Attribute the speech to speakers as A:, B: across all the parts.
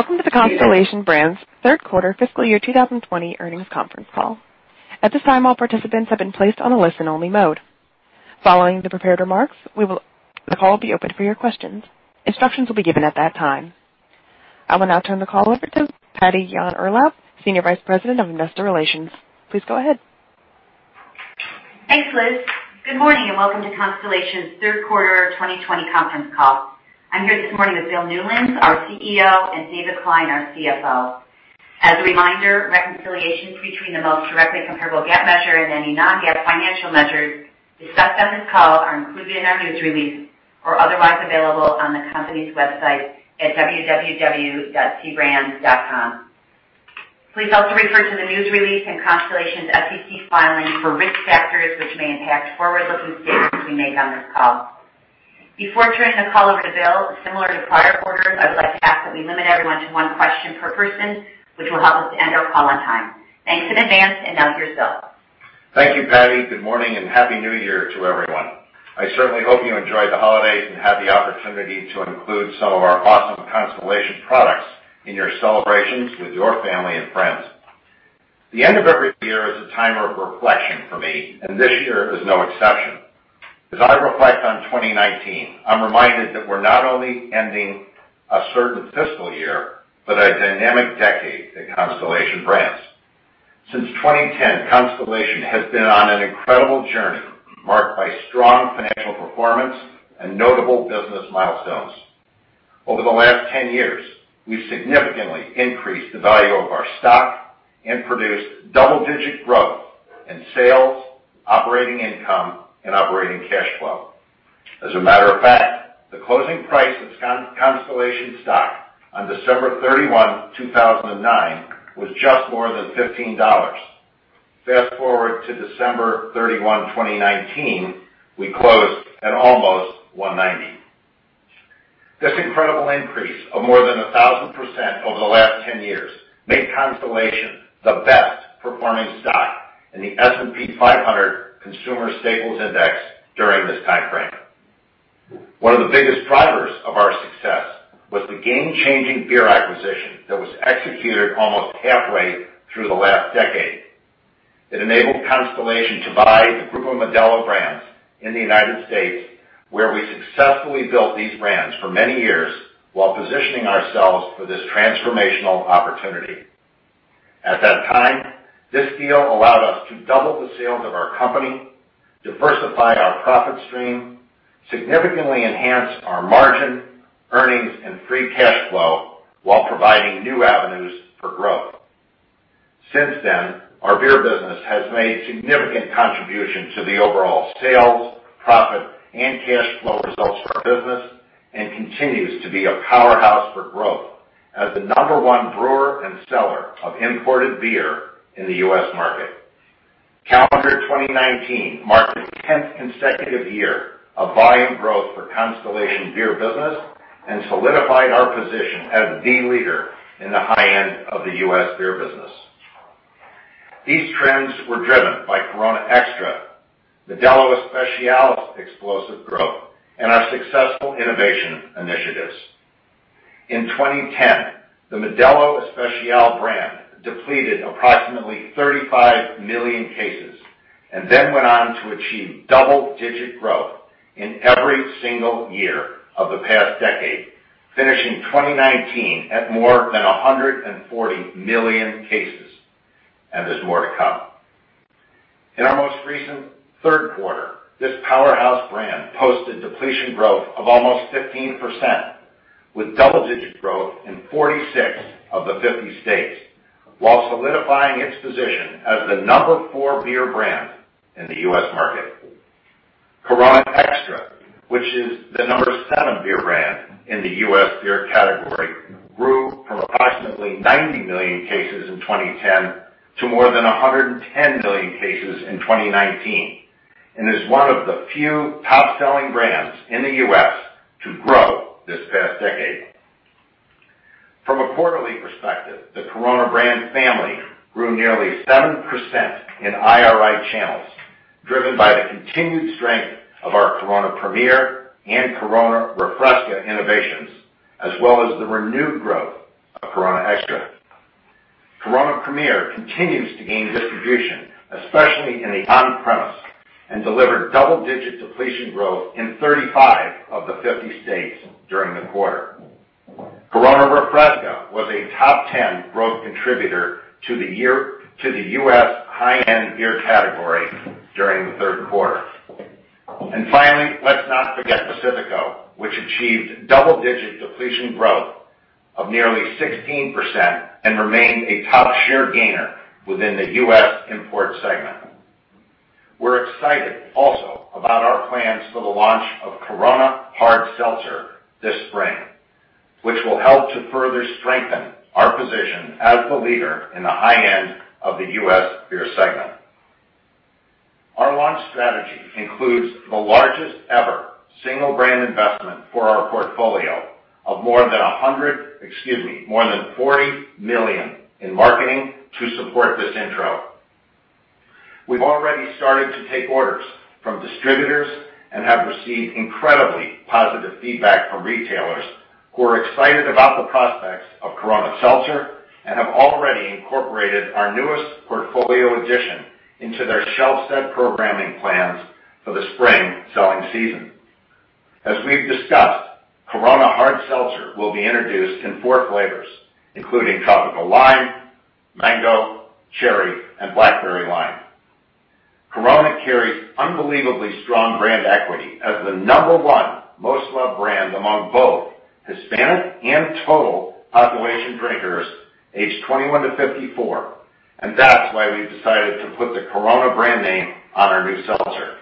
A: Welcome to the Constellation Brands third quarter fiscal year 2020 earnings conference call. At this time, all participants have been placed on a listen-only mode. Following the prepared remarks, the call will be open for your questions. Instructions will be given at that time. I will now turn the call over to Patty Yahn-Urlaub, Senior Vice President of Investor Relations. Please go ahead.
B: Thanks, Liz. Good morning and welcome to Constellation's third quarter 2020 conference call. I'm here this morning with Bill Newlands, our CEO, and David Klein, our CFO. As a reminder, reconciliations between the most directly comparable GAAP measure and any non-GAAP financial measures discussed on this call are included in our news release or otherwise available on the company's website at www.cbrands.com. Please also refer to the news release and Constellation's SEC filing for risk factors which may impact forward-looking statements we make on this call. Before turning the call over to Bill, similar to prior quarters, I would like to ask that we limit everyone to one question per person, which will help us to end our call on time. Thanks in advance, and now here's Bill.
C: Thank you, Patty. Good morning and happy New Year to everyone. I certainly hope you enjoyed the holidays and had the opportunity to include some of our awesome Constellation products in your celebrations with your family and friends. The end of every year is a time of reflection for me, and this year is no exception. As I reflect on 2019, I'm reminded that we're not only ending a certain fiscal year, but a dynamic decade at Constellation Brands. Since 2010, Constellation has been on an incredible journey marked by strong financial performance and notable business milestones. Over the last 10 years, we've significantly increased the value of our stock and produced double-digit growth in sales, operating income, and operating cash flow. As a matter of fact, the closing price of Constellation stock on December 31, 2009, was just more than $15. Fast-forward to December 31, 2019, we closed at almost $190. This incredible increase of more than 1,000% over the last 10 years made Constellation the best performing stock in the S&P 500 Consumer Staples Index during this timeframe. One of the biggest drivers of our success was the game-changing beer acquisition that was executed almost halfway through the last decade. It enabled Constellation to buy the Grupo Modelo brands in the United States, where we successfully built these brands for many years while positioning ourselves for this transformational opportunity. At that time, this deal allowed us to double the sales of our company, diversify our profit stream, significantly enhance our margin, earnings, and free cash flow while providing new avenues for growth. Since then, our beer business has made significant contributions to the overall sales, profit, and cash flow results for our business and continues to be a powerhouse for growth as the number one brewer and seller of imported beer in the U.S. market. Calendar 2019 marked the 10th consecutive year of volume growth for Constellation beer business and solidified our position as the leader in the high end of the U.S. beer business. These trends were driven by Corona Extra, Modelo Especial's explosive growth, and our successful innovation initiatives. In 2010, the Modelo Especial brand depleted approximately 35 million cases and then went on to achieve double-digit growth in every single year of the past decade, finishing 2019 at more than 140 million cases. There's more to come. In our most recent third quarter, this powerhouse brand posted depletion growth of almost 15%, with double-digit growth in 46 of the 50 states, while solidifying its position as the number four beer brand in the U.S. market. Corona Extra, which is the number seven beer brand in the U.S. beer category, grew from approximately 90 million cases in 2010 to more than 110 million cases in 2019 and is one of the few top-selling brands in the U.S. to grow this past decade. From a quarterly perspective, the Corona brand family grew nearly 7% in IRI channels, driven by the continued strength of our Corona Premier and Corona Refresca innovations, as well as the renewed growth of Corona Extra. Corona Premier continues to gain distribution, especially in the on-premise, and delivered double-digit depletion growth in 35 of the 50 states during the quarter. Corona Refresca was a top 10 growth contributor to the U.S. high-end beer category during the third quarter. Finally, let's not forget Pacifico, which achieved double-digit depletion growth of nearly 16% and remained a top share gainer within the U.S. import segment. We're excited also about our plans for the launch of Corona Hard Seltzer this spring, which will help to further strengthen our position as the leader in the high end of the U.S. beer segment. Our launch strategy includes the largest ever single brand investment for our portfolio of more than $40 million in marketing to support this intro. We've already started to take orders from distributors and have received incredibly positive feedback from retailers who are excited about the prospects of Corona Seltzer and have already incorporated our newest portfolio addition into their shelf set programming plans for the spring selling season. As we've discussed, Corona Hard Seltzer will be introduced in four flavors, including tropical lime, mango, cherry, and blackberry lime. Corona carries unbelievably strong brand equity as the number one most loved brand among both Hispanic and total population drinkers aged 21-54, that's why we've decided to put the Corona brand name on our new seltzer.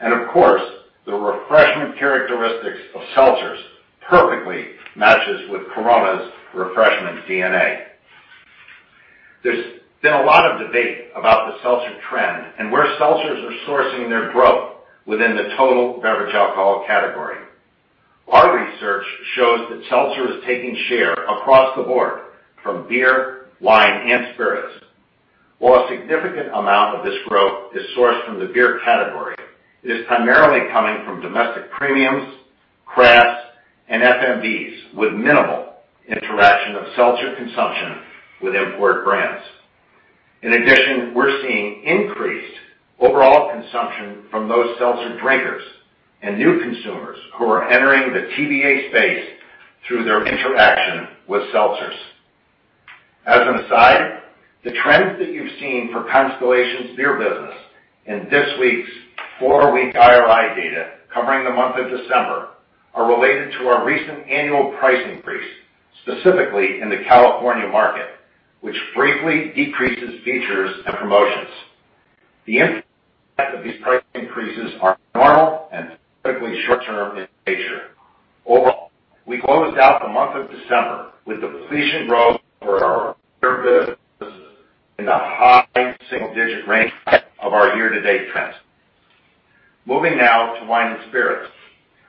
C: Of course, the refreshment characteristics of seltzers perfectly matches with Corona's refreshment DNA. There's been a lot of debate about the seltzer trend and where seltzers are sourcing their growth within the total beverage alcohol category. Our research shows that seltzer is taking share across the board from beer, wine, and spirits. While a significant amount of this growth is sourced from the beer category, it is primarily coming from domestic premiums, crafts, and FMBs, with minimal interaction of seltzer consumption with import brands. We're seeing increased overall consumption from those seltzer drinkers and new consumers who are entering the TBA space through their interaction with seltzers. As an aside, the trends that you've seen for Constellation's beer business in this week's four-week IRI data covering the month of December, are related to our recent annual price increase, specifically in the California market, which briefly decreases features and promotions. The impact of these price increases are normal and typically short-term in nature. We closed out the month of December with depletion growth for our beer business in the high single-digit range of our year-to-date trends. Moving now to wine and spirits.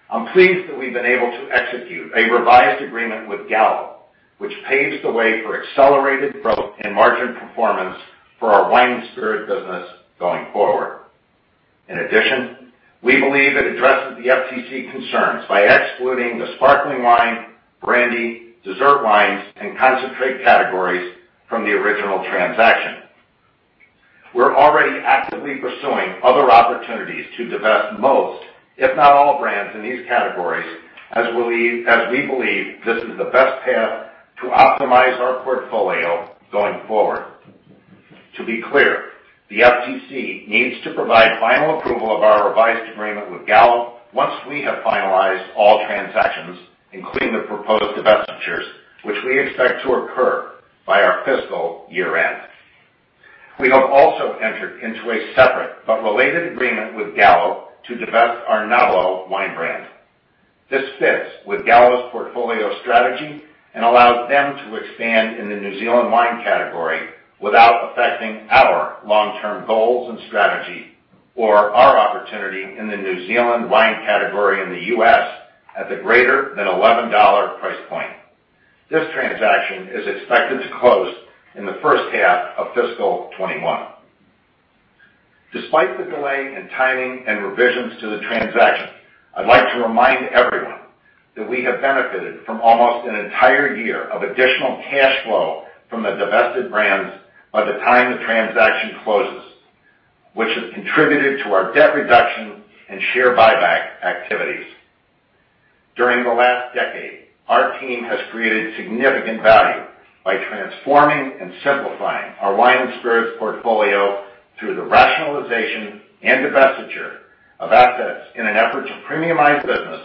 C: I'm pleased that we've been able to execute a revised agreement with Gallo, which paves the way for accelerated growth and margin performance for our wine and spirit business going forward. In addition, we believe it addresses the FTC concerns by excluding the sparkling wine, brandy, dessert wines, and concentrate categories from the original transaction. We're already actively pursuing other opportunities to divest most, if not all, brands in these categories, as we believe this is the best path to optimize our portfolio going forward. To be clear, the FTC needs to provide final approval of our revised agreement with Gallo once we have finalized all transactions, including the proposed divestitures, which we expect to occur by our fiscal year-end. We have also entered into a separate but related agreement with Gallo to divest our Nobilo wine brand. This fits with Gallo's portfolio strategy and allows them to expand in the New Zealand wine category without affecting our long-term goals and strategy or our opportunity in the New Zealand wine category in the U.S. at the greater than $11 price point. This transaction is expected to close in the first half of fiscal 2021. Despite the delay in timing and revisions to the transaction, I'd like to remind everyone that we have benefited from almost an entire year of additional cash flow from the divested brands by the time the transaction closes, which has contributed to our debt reduction and share buyback activities. During the last decade, our team has created significant value by transforming and simplifying our wine and spirits portfolio through the rationalization and divestiture of assets in an effort to premiumize business,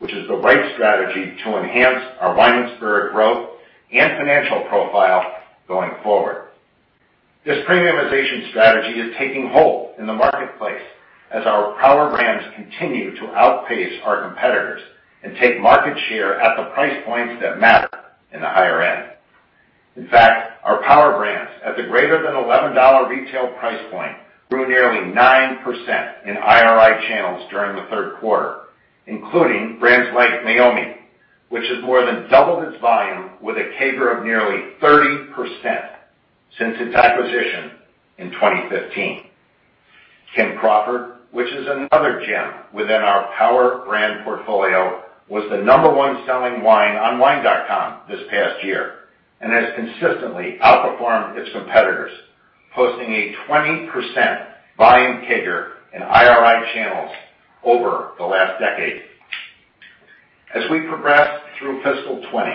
C: which is the right strategy to enhance our wine and spirit growth and financial profile going forward. This premiumization strategy is taking hold in the marketplace as our power brands continue to outpace our competitors and take market share at the price points that matter in the higher end. In fact, our power brands at the greater than $11 retail price point grew nearly 9% in IRI channels during the third quarter, including brands like Meiomi, which has more than doubled its volume with a CAGR of nearly 30% since its acquisition in 2015. Kim Crawford, which is another gem within our power brand portfolio, was the number one selling wine on wine.com this past year and has consistently outperformed its competitors, posting a 20% volume CAGR in IRI channels over the last decade. As we progress through fiscal 2020,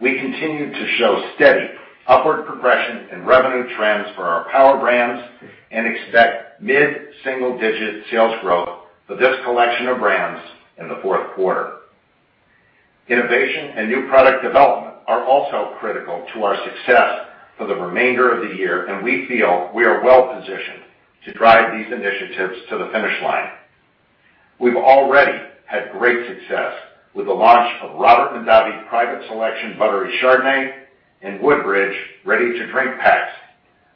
C: we continue to show steady upward progression in revenue trends for our power brands and expect mid-single digit sales growth for this collection of brands in the fourth quarter. Innovation and new product development are also critical to our success for the remainder of the year, and we feel we are well positioned to drive these initiatives to the finish line. We've already had great success with the launch of Robert Mondavi Private Selection Buttery Chardonnay and Woodbridge Ready to Drink packs,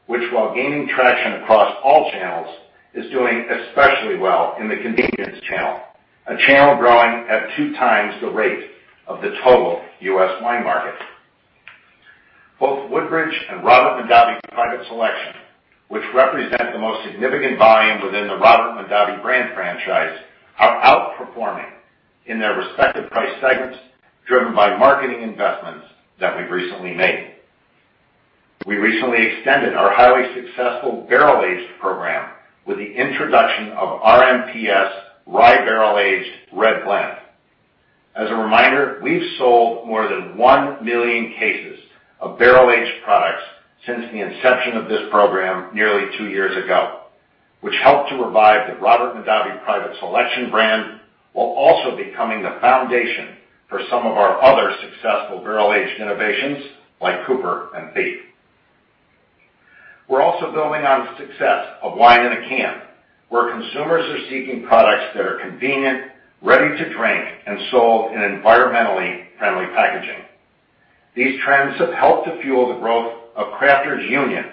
C: which while gaining traction across all channels, is doing especially well in the convenience channel, a channel growing at two times the rate of the total U.S. wine market. Both Woodbridge and Robert Mondavi Private Selection, which represent the most significant volume within the Robert Mondavi brand franchise, are outperforming in their respective price segments, driven by marketing investments that we've recently made. We recently extended our highly successful barrel-aged program with the introduction of RMPS Rye Barrel Aged Red Blend. As a reminder, we've sold more than 1 million cases of barrel-aged products since the inception of this program nearly two years ago, which helped to revive the Robert Mondavi Private Selection brand, while also becoming the foundation for some of our other successful barrel-aged innovations like Cooper & Thief. We're also building on the success of wine in a can, where consumers are seeking products that are convenient, ready to drink, and sold in environmentally friendly packaging. These trends have helped to fuel the growth of Crafters Union,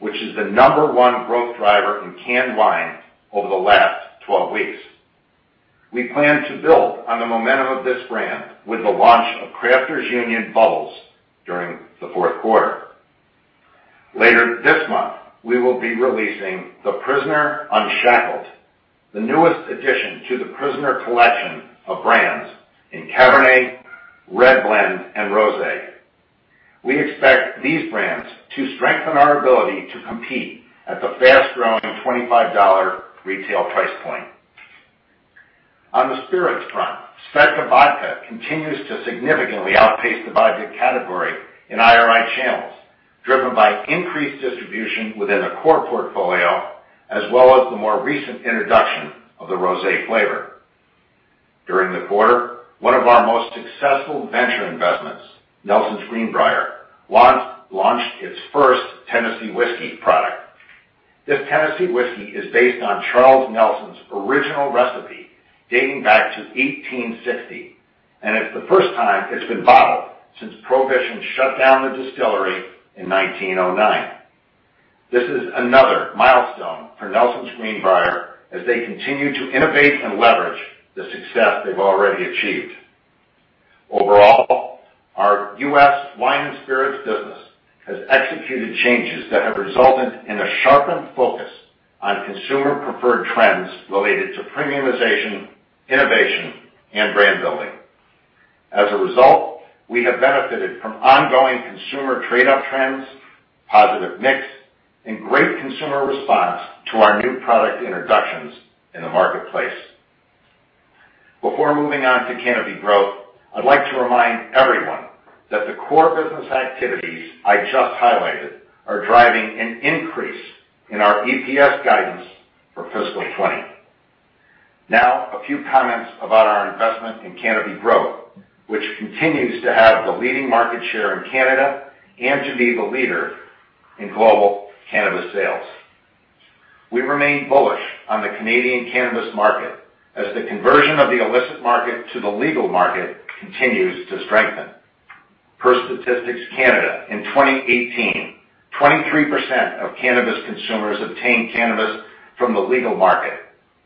C: which is the number one growth driver in canned wine over the last 12 weeks. We plan to build on the momentum of this brand with the launch of Crafters Union Bubbles during the fourth quarter. Later this month, we will be releasing The Prisoner Unshackled, the newest addition to The Prisoner collection of brands in Cabernet, Red Blend, and Rosé. We expect these brands to strengthen our ability to compete at the fast-growing $25 retail price point. On the spirits front, SVEDKA Vodka continues to significantly outpace the vodka category in IRI channels, driven by increased distribution within the core portfolio, as well as the more recent introduction of the Rosé flavor. During the quarter, one of our most successful venture investments, Nelson's Green Brier, launched its first Tennessee whiskey product. This Tennessee whiskey is based on Charles Nelson's original recipe dating back to 1860, it's the first time it's been bottled since Prohibition shut down the distillery in 1909. This is another milestone for Nelson's Green Brier as they continue to innovate and leverage the success they've already achieved. Overall, our U.S. wine and spirits business has executed changes that have resulted in a sharpened focus on consumer preferred trends related to premiumization, innovation, and brand building. As a result, we have benefited from ongoing consumer trade-up trends, positive mix, and great consumer response to our new product introductions in the marketplace. Before moving on to Canopy Growth, I'd like to remind everyone that the core business activities I just highlighted are driving an increase in our EPS guidance for fiscal 2020. A few comments about our investment in Canopy Growth, which continues to have the leading market share in Canada and to be the leader in global cannabis sales. We remain bullish on the Canadian cannabis market as the conversion of the illicit market to the legal market continues to strengthen. Per Statistics Canada, in 2018, 23% of cannabis consumers obtained cannabis from the legal market,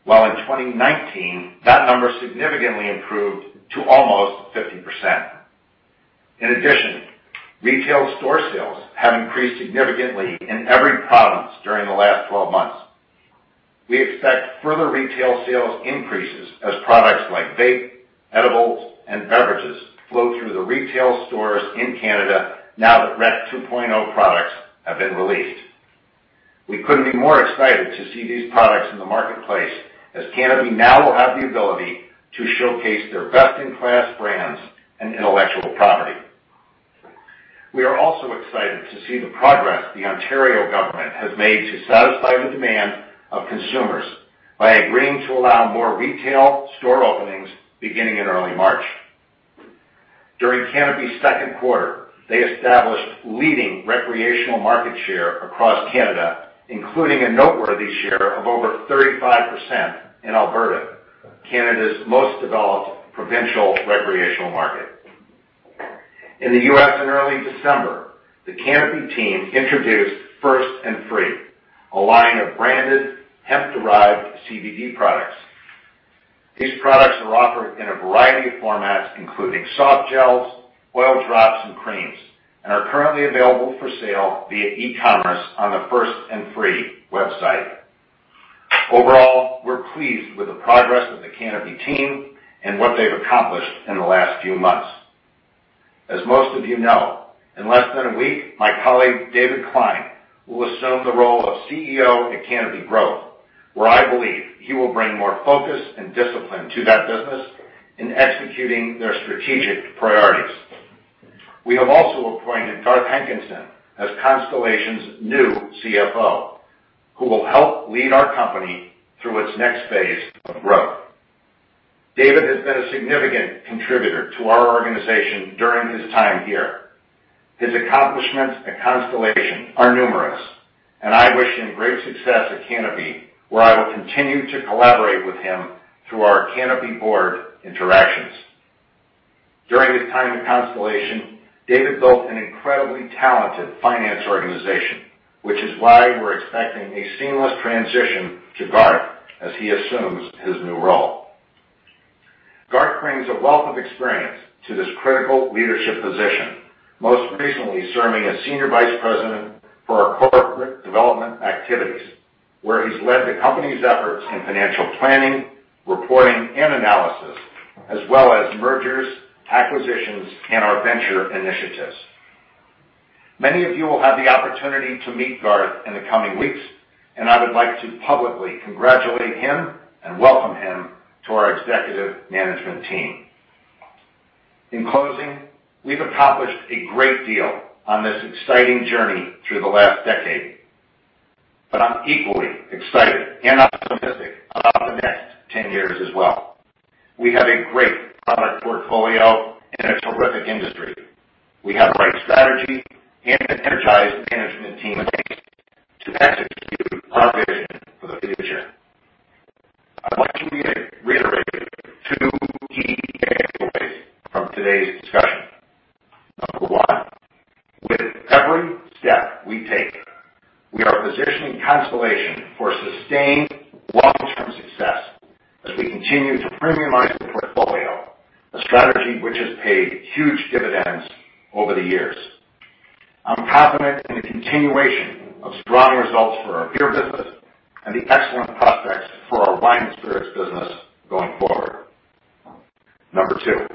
C: while in 2019, that number significantly improved to almost 50%. In addition, retail store sales have increased significantly in every province during the last 12 months. We expect further retail sales increases as products like vape, edibles, and beverages flow through the retail stores in Canada now that Rec 2.0 products have been released. We couldn't be more excited to see these products in the marketplace, as Canopy now will have the ability to showcase their best-in-class brands and intellectual property. We are also excited to see the progress the Ontario government has made to satisfy the demand of consumers by agreeing to allow more retail store openings beginning in early March. During Canopy's second quarter, they established leading recreational market share across Canada, including a noteworthy share of over 35% in Alberta, Canada's most developed provincial recreational market. In the U.S. in early December, the Canopy team introduced First and Free, a line of branded hemp-derived CBD products. These products are offered in a variety of formats, including soft gels, oil drops, and creams, and are currently available for sale via e-commerce on the First and Free website. Overall, we're pleased with the progress of the Canopy team and what they've accomplished in the last few months. As most of you know, in less than a week, my colleague David Klein will assume the role of CEO at Canopy Growth, where I believe he will bring more focus and discipline to that business in executing their strategic priorities. We have also appointed Garth Hankinson as Constellation's new CFO, who will help lead our company through its next phase of growth. David has been a significant contributor to our organization during his time here. His accomplishments at Constellation are numerous, and I wish him great success at Canopy, where I will continue to collaborate with him through our Canopy board interactions. During his time at Constellation, David built an incredibly talented finance organization, which is why we're expecting a seamless transition to Garth as he assumes his new role. Garth brings a wealth of experience to this critical leadership position, most recently serving as Senior Vice President for our corporate development activities, where he's led the company's efforts in financial planning, reporting, and analysis, as well as mergers, acquisitions, and our venture initiatives. Many of you will have the opportunity to meet Garth in the coming weeks, and I would like to publicly congratulate him and welcome him to our executive management team. In closing, we've accomplished a great deal on this exciting journey through the last decade, but I'm equally excited and optimistic about the next 10 years as well. We have a great product portfolio and a terrific industry. We have the right strategy and an energized management team in place to execute our vision for the future. I'd like to reiterate two key takeaways from today's discussion. Number 1, with every step we take, we are positioning Constellation for sustained long-term success as we continue to premiumize the portfolio, a strategy which has paid huge dividends over the years. I'm confident in the continuation of strong results for our beer business and the excellent prospects for our wine and spirits business going forward. Number two,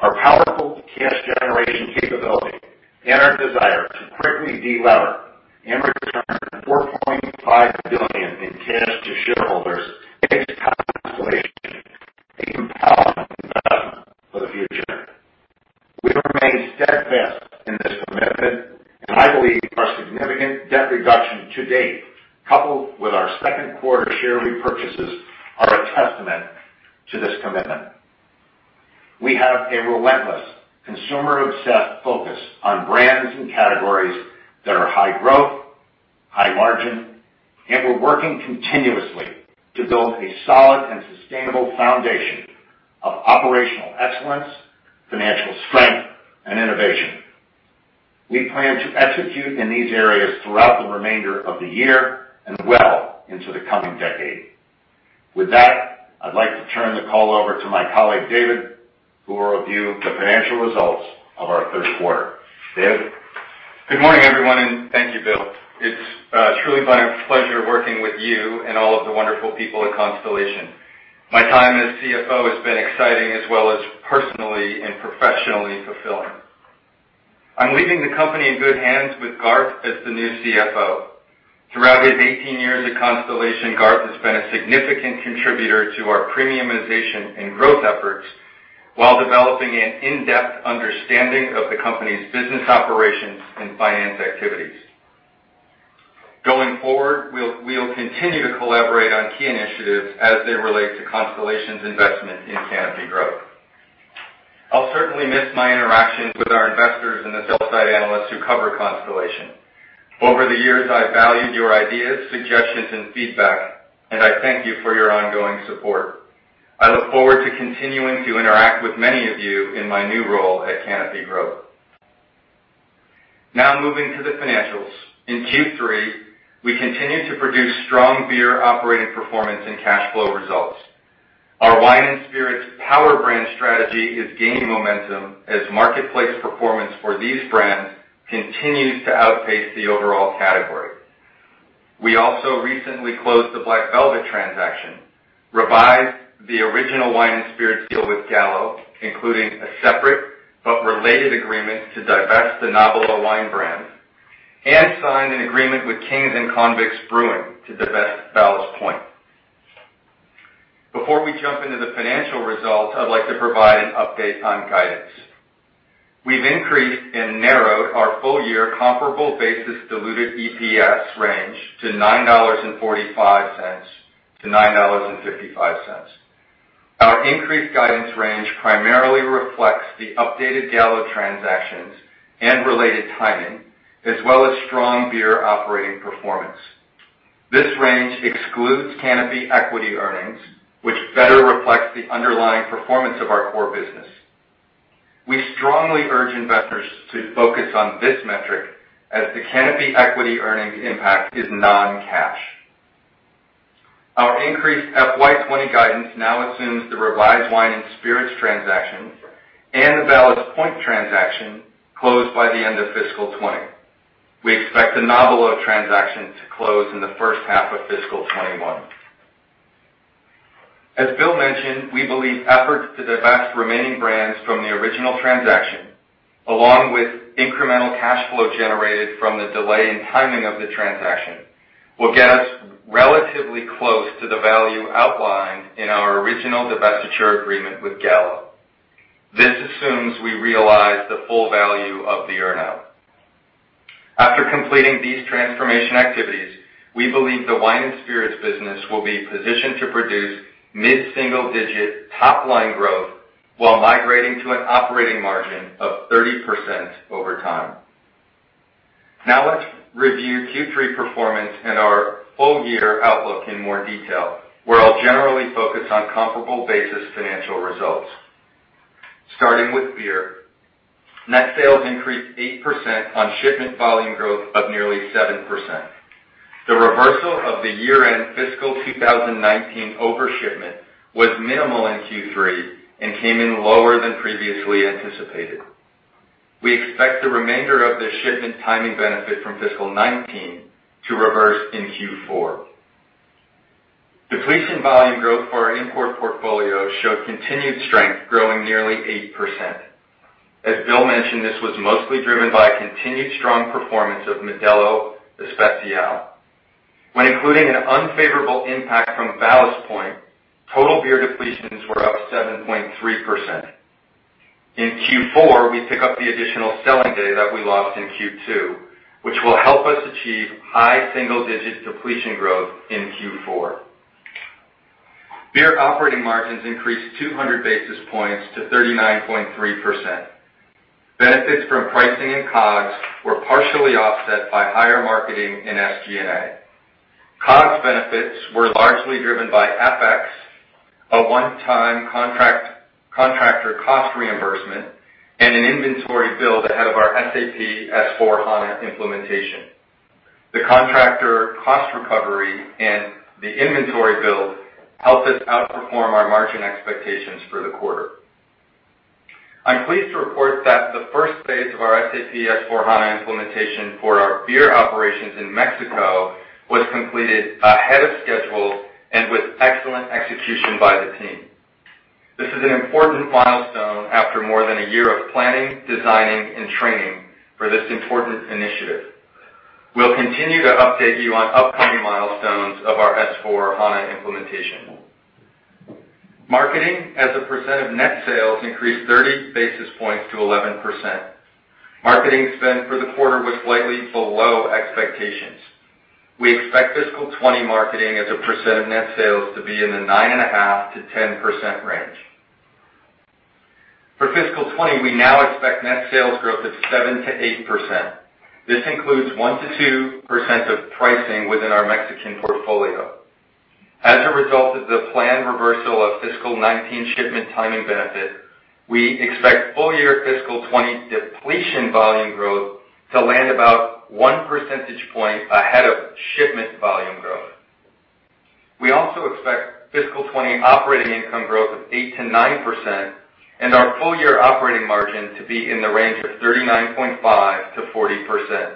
C: our powerful cash generation capability and our desire to quickly de-lever and return $4.5 billion in cash to shareholders makes Constellation a compelling investment for the future. We remain steadfast in this commitment. I believe our significant debt reduction to date, coupled with our second quarter share repurchases, are a testament to this commitment. We have a relentless consumer-obsessed focus on brands and categories that are high growth, high margin. We're working continuously to build a solid and sustainable foundation of operational excellence, financial strength, and innovation. We plan to execute in these areas throughout the remainder of the year and well into the coming decade. With that, I'd like to turn the call over to my colleague, David, who will review the financial results of our third quarter. Dave?
D: Good morning, everyone, and thank you, Bill. It's truly been a pleasure working with you and all of the wonderful people at Constellation. My time as CFO has been exciting as well as personally and professionally fulfilling. I'm leaving the company in good hands with Garth as the new CFO. Throughout his 18 years at Constellation, Garth has been a significant contributor to our premiumization and growth efforts while developing an in-depth understanding of the company's business operations and finance activities. Going forward, we'll continue to collaborate on key initiatives as they relate to Constellation's investment in Canopy Growth. I'll certainly miss my interactions with our investors and the sell-side analysts who cover Constellation. Over the years, I've valued your ideas, suggestions, and feedback, and I thank you for your ongoing support. I look forward to continuing to interact with many of you in my new role at Canopy Growth. Moving to the financials. In Q3, we continued to produce strong beer operating performance and cash flow results. Our wine and spirits power brand strategy is gaining momentum as marketplace performance for these brands continues to outpace the overall category. We also recently closed the Black Velvet transaction, revised the original wine and spirits deal with Gallo, including a separate but related agreement to divest the Nobilo wine brand, and signed an agreement with Kings & Convicts Brewing Co. to divest Ballast Point. Before we jump into the financial results, I'd like to provide an update on guidance. We've increased and narrowed our full-year comparable basis diluted EPS range to $9.45 - $9.55. Our increased guidance range primarily reflects the updated Gallo transactions and related timing, as well as strong beer operating performance. This range excludes Canopy equity earnings, which better reflects the underlying performance of our core business. We strongly urge investors to focus on this metric as the Canopy equity earnings impact is non-cash. Our increased FY 2020 guidance now assumes the revised wine and spirits transaction and the Ballast Point transaction closed by the end of fiscal 2020. We expect the Nobilo transaction to close in the first half of fiscal 2021. As Bill mentioned, we believe efforts to divest remaining brands from the original transaction, along with incremental cash flow generated from the delay in timing of the transaction, will get us relatively close to the value outlined in our original divestiture agreement with Gallo. This assumes we realize the full value of the earn-out. After completing these transformation activities, we believe the wine and spirits business will be positioned to produce mid-single-digit top-line growth while migrating to an operating margin of 30% over time. Now let's review Q3 performance and our full-year outlook in more detail, where I'll generally focus on comparable basis financial results. Starting with beer. Net sales increased 8% on shipment volume growth of nearly 7%. The reversal of the year-end fiscal 2019 over-shipment was minimal in Q3 and came in lower than previously anticipated. We expect the remainder of this shipment timing benefit from fiscal 2019 to reverse in Q4. Depletion volume growth for our import portfolio showed continued strength, growing nearly 8%. As Bill mentioned, this was mostly driven by a continued strong performance of Modelo Especial. When including an unfavorable impact from Ballast Point, total beer depletions were up 7.3%. In Q4, we pick up the additional selling day that we lost in Q2, which will help us achieve high single-digit depletion growth in Q4. Beer operating margins increased 200 basis points to 39.3%. Benefits from pricing and COGS were partially offset by higher marketing and SG&A. COGS benefits were largely driven by FX, a one-time contractor cost reimbursement, and an inventory build ahead of our SAP S/4HANA implementation. The contractor cost recovery and the inventory build helped us outperform our margin expectations for the quarter. I'm pleased to report that the first phase of our SAP S/4HANA implementation for our beer operations in Mexico was completed ahead of schedule and with excellent execution by the team. This is an important milestone after more than a year of planning, designing, and training for this important initiative. We'll continue to update you on upcoming milestones of our S/4HANA implementation. Marketing as a percent of net sales increased 30 basis points to 11%. Marketing spend for the quarter was slightly below expectations. We expect fiscal 2020 marketing as a percent of net sales to be in the 9.5%-10% range. For fiscal 2020, we now expect net sales growth of 7%-8%. This includes 1%-2% of pricing within our Mexican portfolio. As a result of the planned reversal of fiscal 2019 shipment timing benefit, we expect full-year fiscal 2020 depletion volume growth to land about one percentage point ahead of shipment volume growth. We also expect fiscal 2020 operating income growth of 8%-9% and our full-year operating margin to be in the range of 39.5%-40%,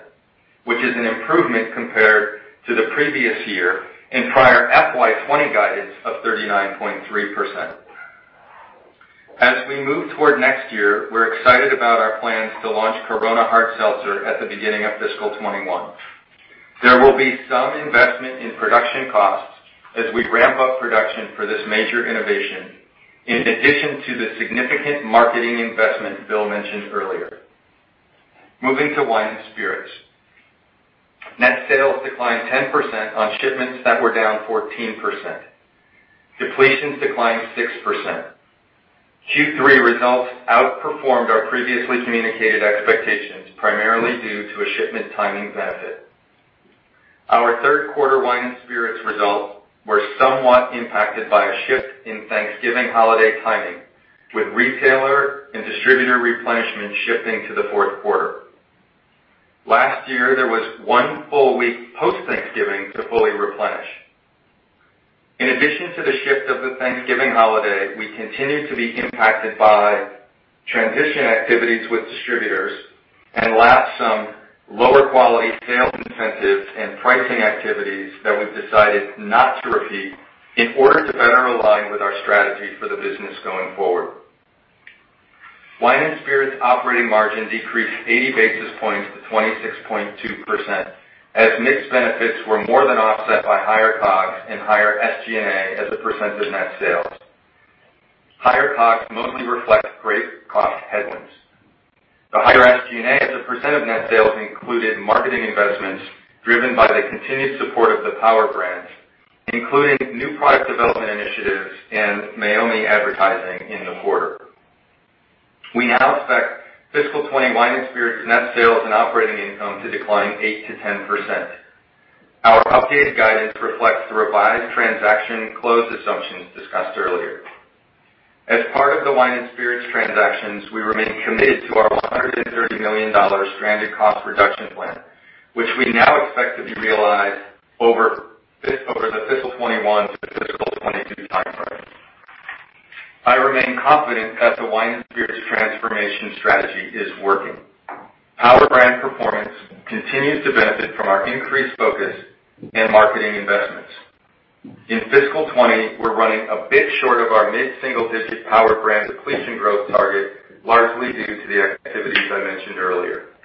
D: which is an improvement compared to the previous year and prior FY 2020 guidance of 39.3%. As we move toward next year, we're excited about our plans to launch Corona Hard Seltzer at the beginning of fiscal 2021. There will be some investment in production costs as we ramp up production for this major innovation, in addition to the significant marketing investment Bill mentioned earlier. Moving to wine and spirits. Net sales declined 10% on shipments that were down 14%. Depletions declined 6%. Q3 results outperformed our previously communicated expectations, primarily due to a shipment timing benefit. Our third quarter wine and spirits results were somewhat impacted by a shift in Thanksgiving holiday timing, with retailer and distributor replenishment shifting to the fourth quarter. Last year, there was one full week post-Thanksgiving to fully replenish. In addition to the shift of the Thanksgiving holiday, we continue to be impacted by transition activities with distributors and last some lower quality sales incentives and pricing activities that we've decided not to repeat in order to better align with our strategy for the business going forward. Wine and spirits operating margin decreased 80 basis points to 26.2%, as mix benefits were more than offset by higher COGS and higher SG&A as a percent of net sales. Higher COGS mostly reflects grape cost headwinds. The higher SG&A as a percent of net sales included marketing investments driven by the continued support of the power brands, including new product development initiatives and Meiomi advertising in the quarter. We now expect fiscal 2020 wine and spirits net sales and operating income to decline 8%-10%. Our updated guidance reflects the revised transaction close assumptions discussed earlier. As part of the wine and spirits transactions, we remain committed to our $130 million stranded cost reduction plan, which we now expect to be realized over the fiscal 2021 to fiscal 2022 time frame. I remain confident that the wine and spirits transformation strategy is working. Power brand performance continues to benefit from our increased focus and marketing investments. In fiscal 2020, we're running a bit short of our mid-single-digit power brand depletion growth target, largely due to the activities I mentioned earlier.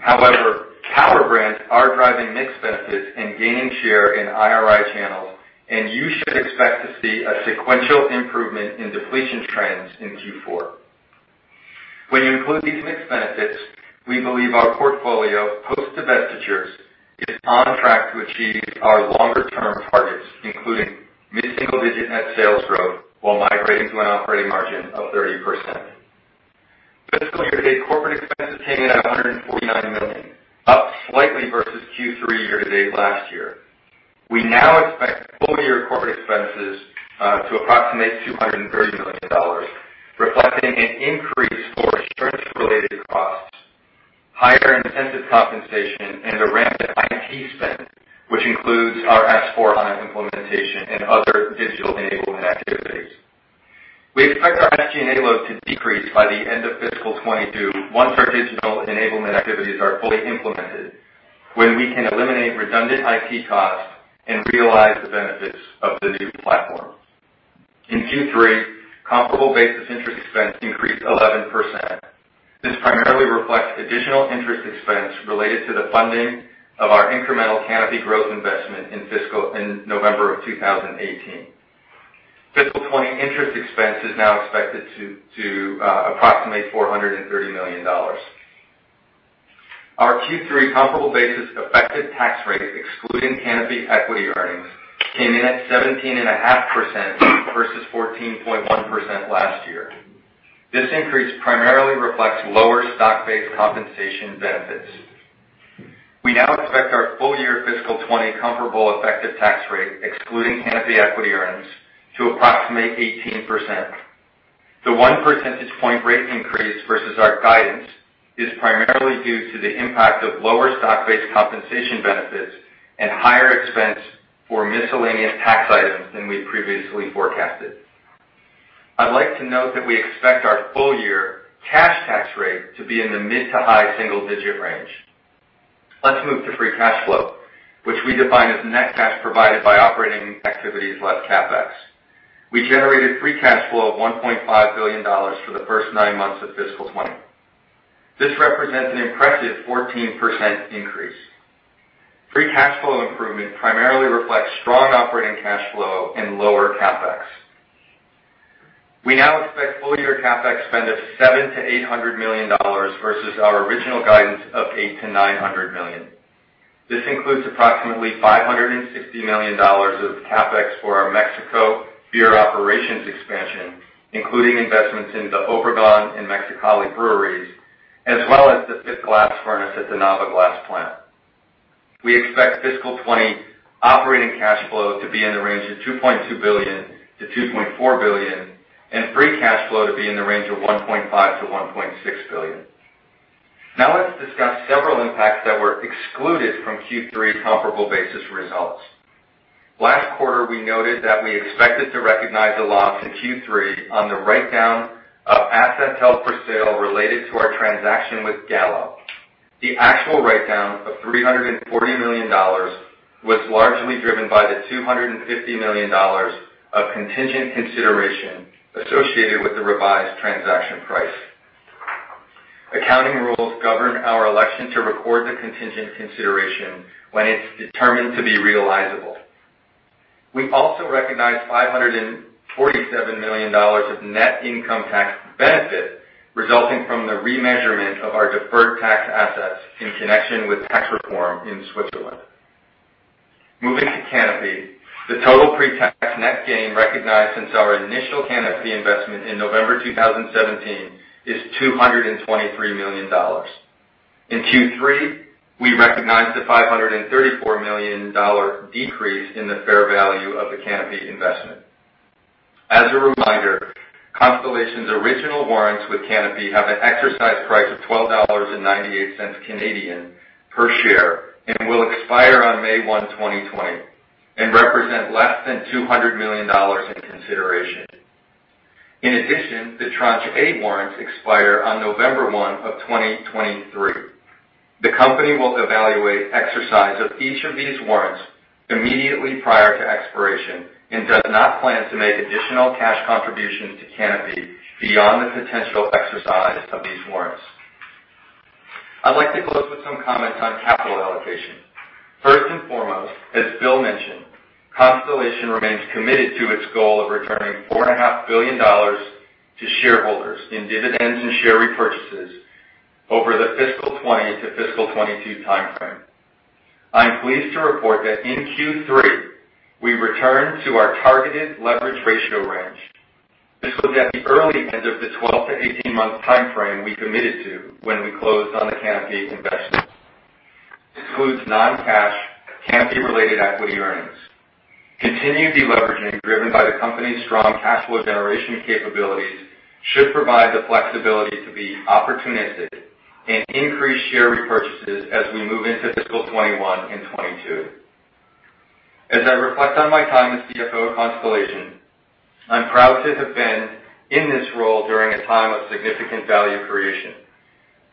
D: However, power brands are driving mix benefits and gaining share in IRI channels, and you should expect to see a sequential improvement in depletion trends in Q4. When you include these mix benefits, we believe our portfolio, post-divestitures, is on track to achieve our longer-term targets, including mid-single-digit net sales growth while migrating to an operating margin of 30%. Fiscal year to date corporate expenses came in at $149 million, up slightly versus Q3 year-to-date last year. We now expect full-year corporate expenses to approximate $230 million, reflecting an increase for insurance-related costs, higher incentive compensation, and a ramp in IT spend, which includes our SAP S/4HANA implementation and other digital enablement activities. We expect our SG&A load to decrease by the end of fiscal 2022 once our digital enablement activities are fully implemented, when we can eliminate redundant IT costs and realize the benefits of the new platform. In Q3, comparable basis interest expense increased 11%. This primarily reflects additional interest expense related to the funding of our incremental Canopy Growth investment in November of 2018. Fiscal 2020 interest expense is now expected to approximate $430 million. Our Q3 comparable basis effective tax rate, excluding Canopy equity earnings, came in at 17.5% versus 14.1% last year. This increase primarily reflects lower stock-based compensation benefits. We now expect our full-year fiscal 2020 comparable effective tax rate, excluding Canopy equity earnings, to approximate 18%. The one percentage point rate increase versus our guidance is primarily due to the impact of lower stock-based compensation benefits and higher expense for miscellaneous tax items than we previously forecasted. I'd like to note that we expect our full-year cash tax rate to be in the mid to high single digit range. Let's move to free cash flow, which we define as net cash provided by operating activities less CapEx. We generated free cash flow of $1.5 billion for the first nine months of fiscal 2020. This represents an impressive 14% increase. Free cash flow improvement primarily reflects strong operating cash flow and lower CapEx. We now expect full-year CapEx spend of $700 million-$800 million versus our original guidance of $800 million-$900 million. This includes approximately $560 million of CapEx for our Mexico beer operations expansion, including investments in the Obregon and Mexicali breweries, as well as the fifth glass furnace at the Nava Glass plant. We expect fiscal 2020 operating cash flow to be in the range of $2.2 billion - $2.4 billion and free cash flow to be in the range of $1.5 billion - $1.6 billion. Let's discuss several impacts that were excluded from Q3 comparable basis results. Last quarter, we noted that we expected to recognize a loss in Q3 on the write-down of assets held for sale related to our transaction with Gallo. The actual write-down of $340 million was largely driven by the $250 million of contingent consideration associated with the revised transaction price. Accounting rules govern our election to record the contingent consideration when it's determined to be realizable. We also recognized $547 million of net income tax benefit resulting from the remeasurement of our deferred tax assets in connection with tax reform in Switzerland. Moving to Canopy, the total pre-tax net gain recognized since our initial Canopy investment in November 2017 is $223 million. In Q3, we recognized a $534 million decrease in the fair value of the Canopy investment. As a reminder, Constellation's original warrants with Canopy have an exercise price of 12.98 Canadian dollars per share and will expire on May 1, 2020, and represent less than $200 million in consideration. In addition, the Tranche A warrants expire on November 1 of 2023. The company will evaluate exercise of each of these warrants immediately prior to expiration and does not plan to make additional cash contributions to Canopy beyond the potential exercise of these warrants. I'd like to close with some comments on capital allocation. First and foremost, as Bill mentioned, Constellation remains committed to its goal of returning $4.5 billion to shareholders in dividends and share repurchases over the fiscal 2020 to fiscal 2022 timeframe. I'm pleased to report that in Q3, we returned to our targeted leverage ratio range. This was at the early end of the 12 -18-month timeframe we committed to when we closed on the Canopy investment. This includes non-cash Canopy-related equity earnings. Continued de-leveraging driven by the company's strong cash flow generation capabilities should provide the flexibility to be opportunistic and increase share repurchases as we move into fiscal 2021 and 2022. As I reflect on my time as CFO of Constellation, I'm proud to have been in this role during a time of significant value creation.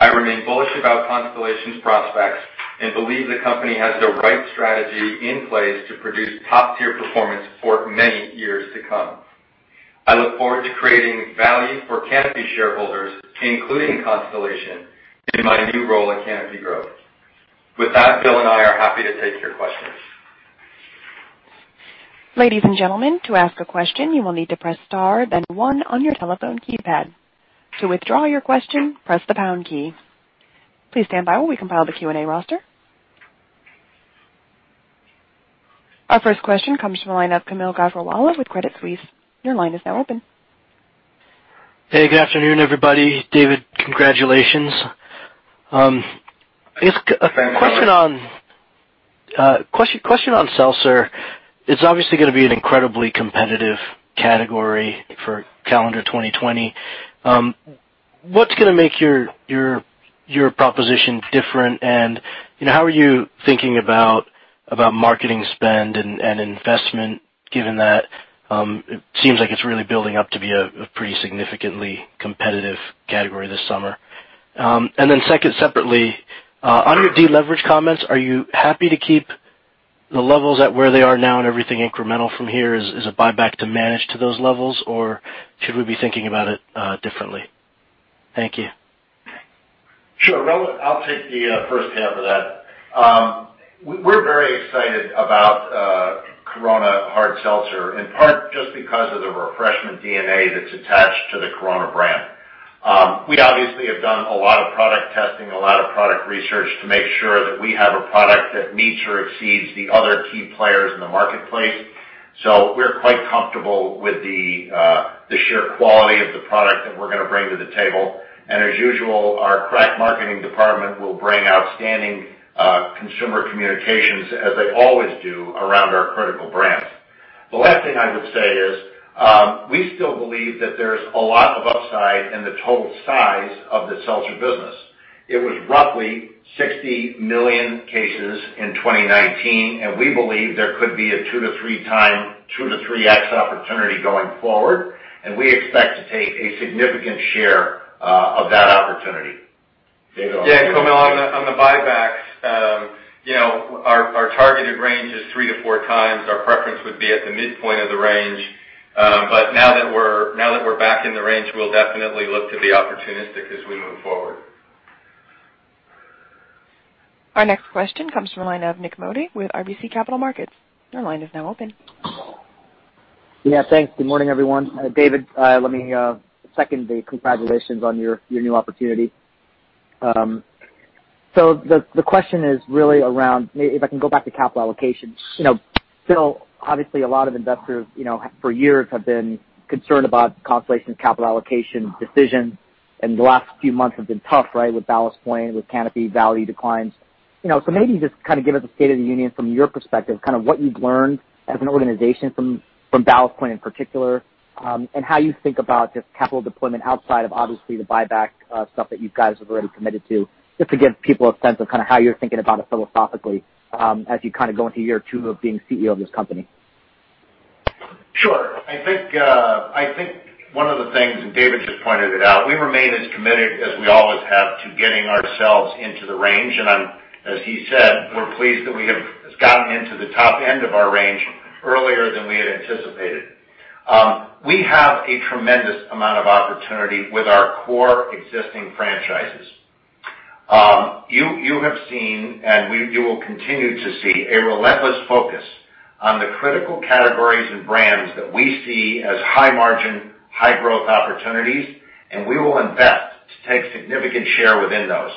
D: I remain bullish about Constellation's prospects and believe the company has the right strategy in place to produce top-tier performance for many years to come. I look forward to creating value for Canopy shareholders, including Constellation, in my new role at Canopy Growth. With that, Bill and I are happy to take your questions.
A: Ladies and gentlemen, to ask a question, you will need to press star then one on your telephone keypad. To withdraw your question, press the pound key. Please stand by while we compile the Q&A roster. Our first question comes from the line of Kaumil Gajrawala with Credit Suisse. Your line is now open.
E: Hey, good afternoon, everybody. David, congratulations.
D: Thank you very much.
E: A question on Seltzer. It's obviously going to be an incredibly competitive category for calendar 2020. What's going to make your proposition different? How are you thinking about marketing spend and investment, given that it seems like it's really building up to be a pretty significantly competitive category this summer. Second, separately, on your deleverage comments, are you happy to keep the levels at where they are now and everything incremental from here is a buyback to manage to those levels, or should we be thinking about it differently? Thank you.
C: Sure. I'll take the first half of that. We're very excited about Corona Hard Seltzer, in part just because of the refreshment DNA that's attached to the Corona brand. We obviously have done a lot of product testing, a lot of product research to make sure that we have a product that meets or exceeds the other key players in the marketplace. We're quite comfortable with the sheer quality of the product that we're going to bring to the table. As usual, our crack marketing department will bring outstanding consumer communications as they always do around our critical brands. The last thing I would say is, we still believe that there's a lot of upside in the total size of the seltzer business.
D: It was roughly 60 million cases in 2019. We believe there could be a two to three times, 2-3x opportunity going forward. We expect to take a significant share of that opportunity. David? Yeah, Kaumil, on the buybacks. Our targeted range is 3-4x. Our preference would be at the midpoint of the range. Now that we're back in the range, we'll definitely look to be opportunistic as we move forward.
A: Our next question comes from the line of Nik Modi with RBC Capital Markets. Your line is now open.
F: Yeah, thanks. Good morning, everyone. David, let me second the congratulations on your new opportunity. The question is really around, if I can go back to capital allocation. Still, obviously a lot of investors for years have been concerned about Constellation's capital allocation decisions, and the last few months have been tough with Ballast Point, with Canopy value declines. Maybe just kind of give us a state of the union from your perspective, kind of what you've learned as an organization from Ballast Point in particular, and how you think about just capital deployment outside of obviously the buyback stuff that you guys have already committed to. Just to give people a sense of kind of how you're thinking about it philosophically, as you kind of go into year two of being CEO of this company.
C: Sure. I think one of the things, David just pointed it out, we remain as committed as we always have to getting ourselves into the range. As he said, we're pleased that we have gotten into the top end of our range earlier than we had anticipated. We have a tremendous amount of opportunity with our core existing franchises. You have seen, and you will continue to see a relentless focus on the critical categories and brands that we see as high margin, high growth opportunities, and we will invest to take significant share within those.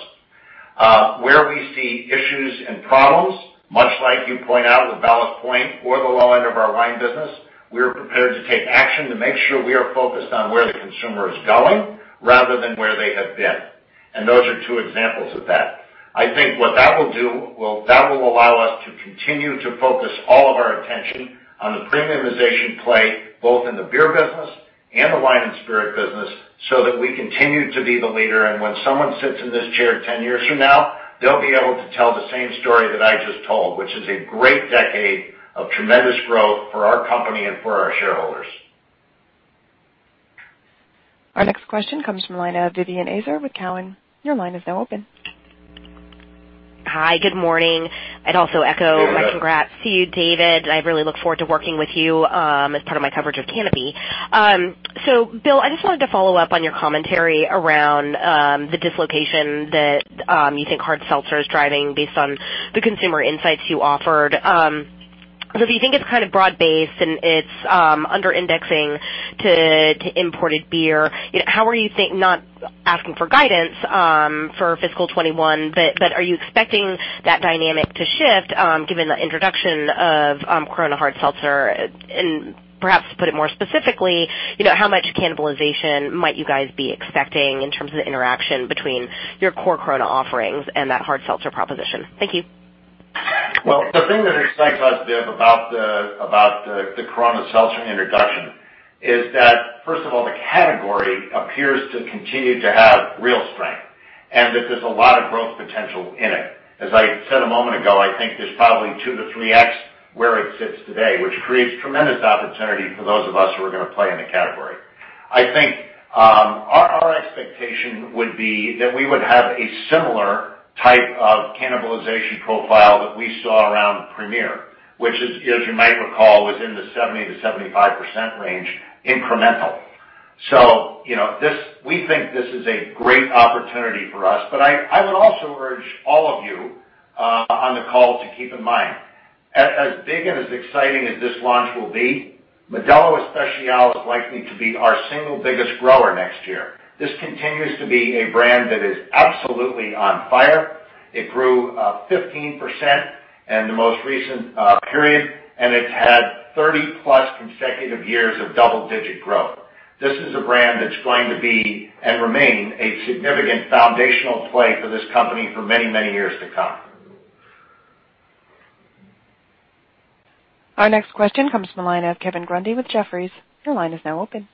C: Where we see issues and problems, much like you point out with Ballast Point or the low end of our wine business, we are prepared to take action to make sure we are focused on where the consumer is going rather than where they have been. Those are two examples of that. I think what that will do, that will allow us to continue to focus all of our attention on the premiumization play, both in the beer business and the wine and spirit business, so that we continue to be the leader. When someone sits in this chair 10 years from now, they'll be able to tell the same story that I just told, which is a great decade of tremendous growth for our company and for our shareholders.
A: Our next question comes from the line of Vivien Azer with Cowen. Your line is now open.
G: Hi, good morning. I'd also echo my congrats to you, David, and I really look forward to working with you, as part of my coverage of Canopy. Bill, I just wanted to follow up on your commentary around the dislocation that you think hard seltzer is driving based on the consumer insights you offered. If you think it's kind of broad based and it's under indexing to imported beer, not asking for guidance, for fiscal 2021, but are you expecting that dynamic to shift, given the introduction of Corona Hard Seltzer? Perhaps to put it more specifically, how much cannibalization might you guys be expecting in terms of the interaction between your core Corona offerings and that Hard Seltzer proposition? Thank you.
C: Well, the thing that excites us, Viv, about the Corona Seltzer introduction is that, first of all, the category appears to continue to have real strength, and that there's a lot of growth potential in it. As I said a moment ago, I think there's probably 2-3x where it sits today, which creates tremendous opportunity for those of us who are going to play in the category. I think our expectation would be that we would have a similar type of cannibalization profile that we saw around Premier, which as you might recall, was in the 70%-75% range incremental. We think this is a great opportunity for us. I would also urge all of you on the call to keep in mind, as big and as exciting as this launch will be, Modelo Especial is likely to be our single biggest grower next year. This continues to be a brand that is absolutely on fire. It grew 15% in the most recent period, and it's had 30+ consecutive years of double-digit growth. This is a brand that's going to be, and remain, a significant foundational play for this company for many, many years to come.
A: Our next question comes from the line of Kevin Grundy with Jefferies. Your line is now open.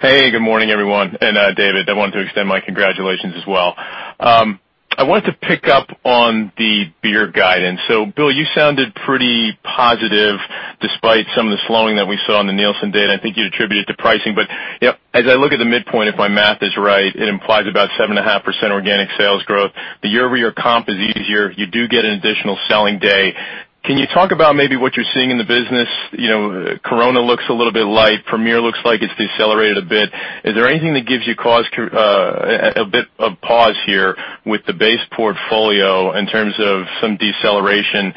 H: Hey, good morning, everyone. David, I wanted to extend my congratulations as well. I wanted to pick up on the beer guidance. Bill, you sounded pretty positive despite some of the slowing that we saw in the Nielsen data. I think you attributed it to pricing. As I look at the midpoint, if my math is right, it implies about 7.5% organic sales growth. The year-over-year comp is easier. You do get an additional selling day. Can you talk about maybe what you're seeing in the business? Corona looks a little bit light. Premier looks like it's decelerated a bit. Is there anything that gives you a bit of pause here with the base portfolio in terms of some deceleration?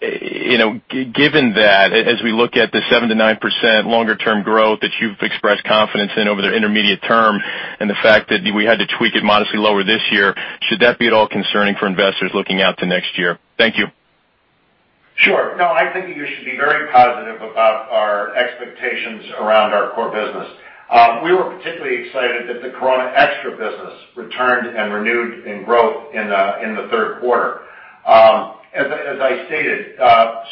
H: Given that, as we look at the 7%-9% longer-term growth that you've expressed confidence in over the intermediate term, and the fact that we had to tweak it modestly lower this year, should that be at all concerning for investors looking out to next year? Thank you.
C: Sure. I think you should be very positive about our expectations around our core business. We were particularly excited that the Corona Extra business returned and renewed in growth in the third quarter. As I stated,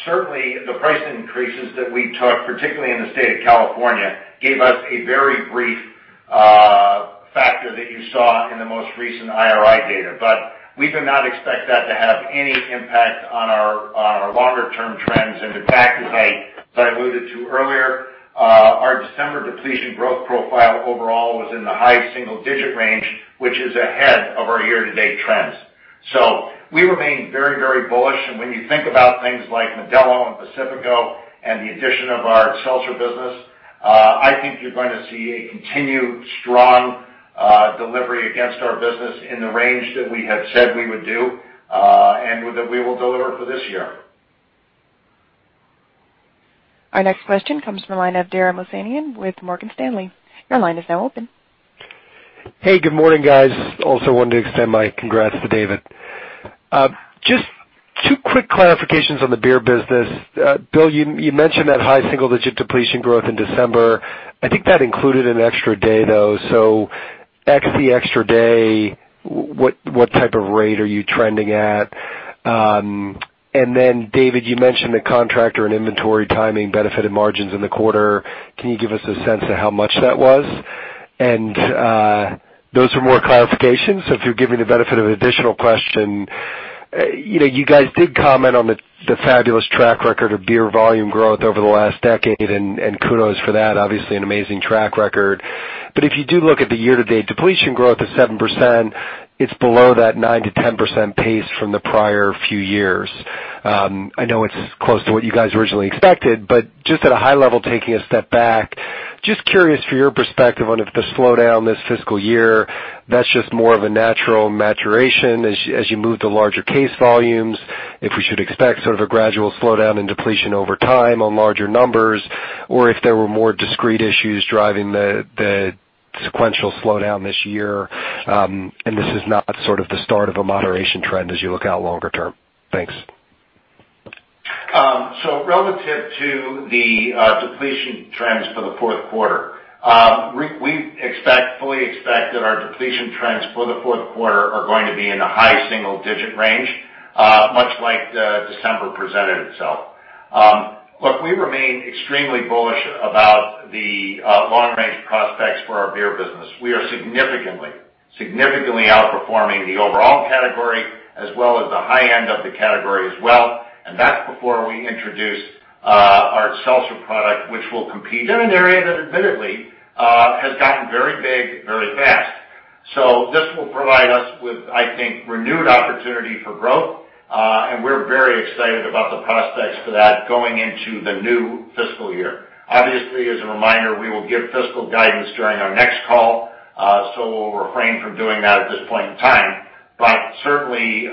C: certainly the price increases that we took, particularly in the state of California, gave us a very brief factor that you saw in the most recent IRI data. We do not expect that to have any impact on our longer-term trends. In fact, as I alluded to earlier, our December depletion growth profile overall was in the high single-digit range, which is ahead of our year-to-date trends. We remain very, very bullish. When you think about things like Modelo and Pacifico and the addition of our seltzer business, I think you're going to see a continued strong delivery against our business in the range that we have said we would do, and that we will deliver for this year.
A: Our next question comes from the line of Dara Mohsenian with Morgan Stanley. Your line is now open.
I: Good morning, guys. Wanted to extend my congrats to David. Two quick clarifications on the beer business. Bill, you mentioned that high single-digit depletion growth in December. I think that included an extra day, though. Ex the extra day, what type of rate are you trending at? David, you mentioned the contractor and inventory timing benefited margins in the quarter. Can you give us a sense of how much that was? Those are more clarifications. If you're giving the benefit of additional question, you guys did comment on the fabulous track record of beer volume growth over the last decade, and kudos for that. An amazing track record. If you do look at the year-to-date depletion growth of 7%, it's below that 9%-10% pace from the prior few years. I know it's close to what you guys originally expected, but just at a high level, taking a step back, just curious for your perspective on if the slowdown this fiscal year, that's just more of a natural maturation as you move to larger case volumes. If we should expect sort of a gradual slowdown in depletion over time on larger numbers, or if there were more discrete issues driving the sequential slowdown this year, and this is not sort of the start of a moderation trend as you look out longer term. Thanks.
C: Relative to the depletion trends for the fourth quarter. We fully expect that our depletion trends for the fourth quarter are going to be in the high single-digit range, much like December presented itself. We remain extremely bullish about the long-range prospects for our beer business. We are significantly outperforming the overall category, as well as the high end of the category as well, and that's before we introduce our seltzer product, which will compete in an area that admittedly has gotten very big, very fast. This will provide us with, I think, renewed opportunity for growth, and we're very excited about the prospects for that going into the new fiscal year. As a reminder, we will give fiscal guidance during our next call, so we'll refrain from doing that at this point in time. Certainly,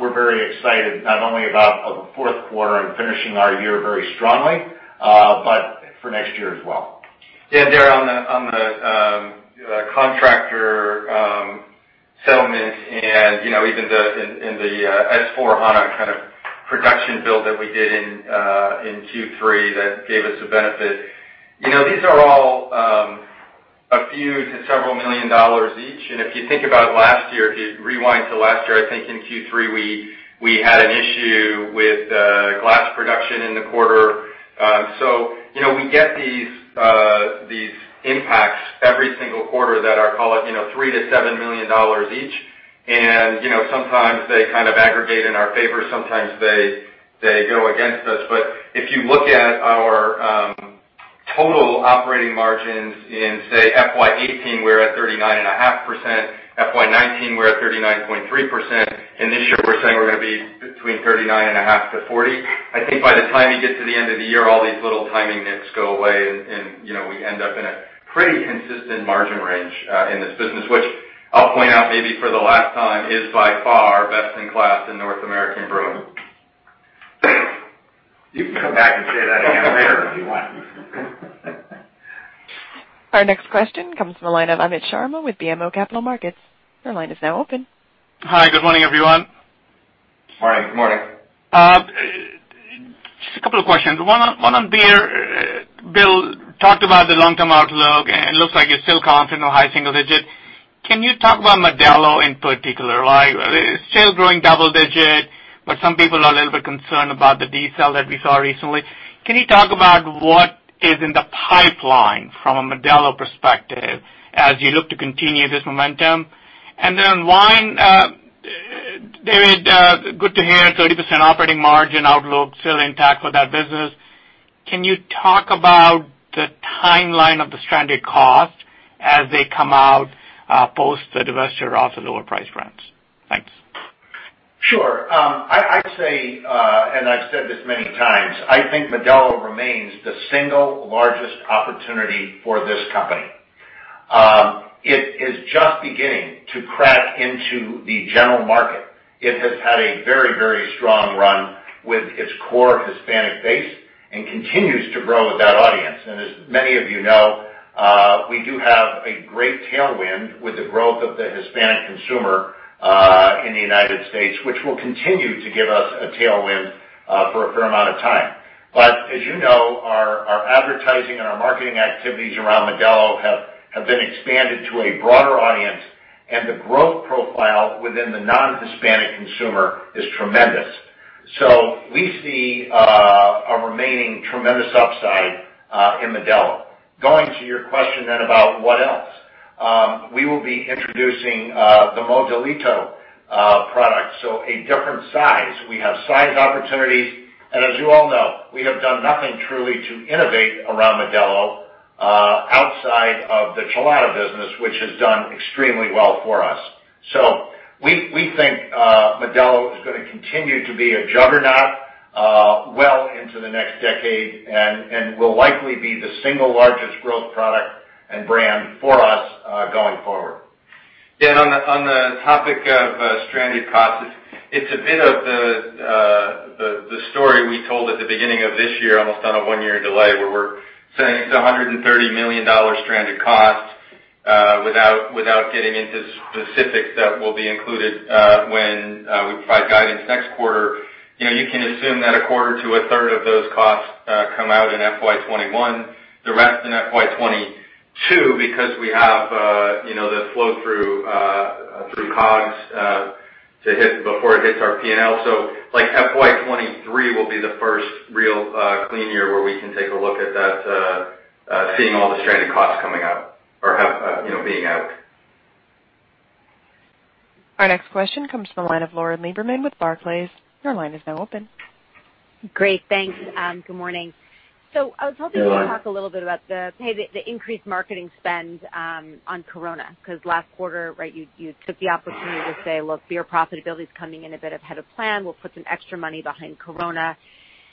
C: we're very excited, not only about a fourth quarter and finishing our year very strongly, but for next year as well.
D: Yeah, Dara, on the contractor settlement and even in the S/4HANA kind of production build that we did in Q3 that gave us a benefit. These are all a few to several million dollars each. If you think about last year, if you rewind to last year, I think in Q3 we had an issue with glass production in the quarter. We get these impacts every single quarter that are, call it, $3 million-$7 million each. Sometimes they kind of aggregate in our favor, sometimes they go against us. If you look at our total operating margins in, say, FY 2018, we're at 39.5%. FY 2019, we're at 39.3%. This year we're saying we're going to be between 39.5%-40%. I think by the time you get to the end of the year, all these little timing nits go away and we end up in a pretty consistent margin range, in this business, which I'll point out maybe for the last time, is by far best in class in North American brewing.
C: You can come back and say that again later if you want.
A: Our next question comes from the line of Amit Sharma with BMO Capital Markets. Your line is now open.
J: Hi. Good morning, everyone.
C: Morning. Good morning.
J: Just a couple of questions. One on beer. Bill talked about the long-term outlook, and it looks like you're still confident on high single digit. Can you talk about Modelo in particular? It's still growing double digit, but some people are a little bit concerned about the decel that we saw recently. Can you talk about what is in the pipeline from a Modelo perspective as you look to continue this momentum? On wine, David, good to hear 30% operating margin outlook still intact for that business. Can you talk about the timeline of the stranded costs as they come out, post the divestiture of the lower priced brands? Thanks.
C: Sure. I'd say, and I've said this many times, I think Modelo remains the single largest opportunity for this company. It is just beginning to crack into the general market. It has had a very strong run with its core Hispanic base and continues to grow with that audience. As many of you know, we do have a great tailwind with the growth of the Hispanic consumer, in the U.S., which will continue to give us a tailwind for a fair amount of time. As you know, our advertising and our marketing activities around Modelo have been expanded to a broader audience, and the growth profile within the non-Hispanic consumer is tremendous. We see a remaining tremendous upside in Modelo. Going to your question then about what else. We will be introducing the Modelito product, so a different size. We have size opportunities, and as you all know, we have done nothing truly to innovate around Modelo, outside of the Chelada business, which has done extremely well for us. We think Modelo is going to continue to be a juggernaut well into the next decade and will likely be the single largest growth product and brand for us going forward.
D: Dan, on the topic of stranded costs, it's a bit of the story we told at the beginning of this year, almost on a one-year delay, where we're saying it's $130 million stranded cost, without getting into specifics that will be included when we provide guidance next quarter. You can assume that a quarter to a third of those costs come out in FY 2021, the rest in FY 2022, because we have the flow through COGS before it hits our P&L. FY 2023 will be the first real clean year where we can take a look at that, seeing all the stranded costs coming out or being out.
A: Our next question comes from the line of Lauren Lieberman with Barclays. Your line is now open.
K: Great. Thanks. Good morning.
C: Lauren
K: You could talk a little bit about the increased marketing spend on Corona, because last quarter, you took the opportunity to say, "Look, beer profitability's coming in a bit ahead of plan. We'll put some extra money behind Corona."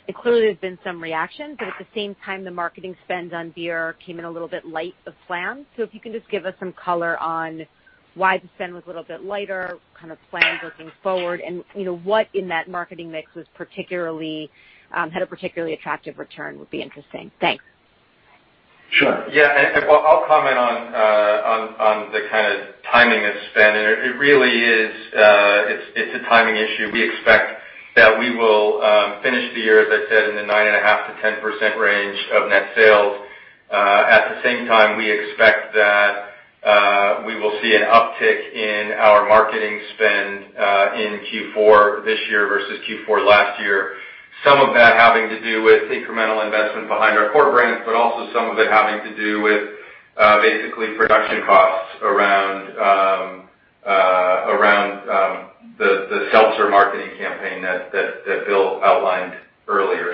K: It clearly has been some reaction, but at the same time, the marketing spend on beer came in a little bit light of plan. If you can just give us some color on why the spend was a little bit lighter, kind of plan looking forward, and what in that marketing mix had a particularly attractive return would be interesting. Thanks.
D: Sure. I'll comment on the kind of timing of spend. It really is a timing issue. We expect that we will finish the year, as I said, in the 9.5%-10% range of net sales. At the same time, we expect that we will see an uptick in our marketing spend in Q4 this year versus Q4 last year. Some of that having to do with incremental investment behind our core brands, but also some of it having to do with basically production costs around the seltzer marketing campaign that Bill outlined earlier.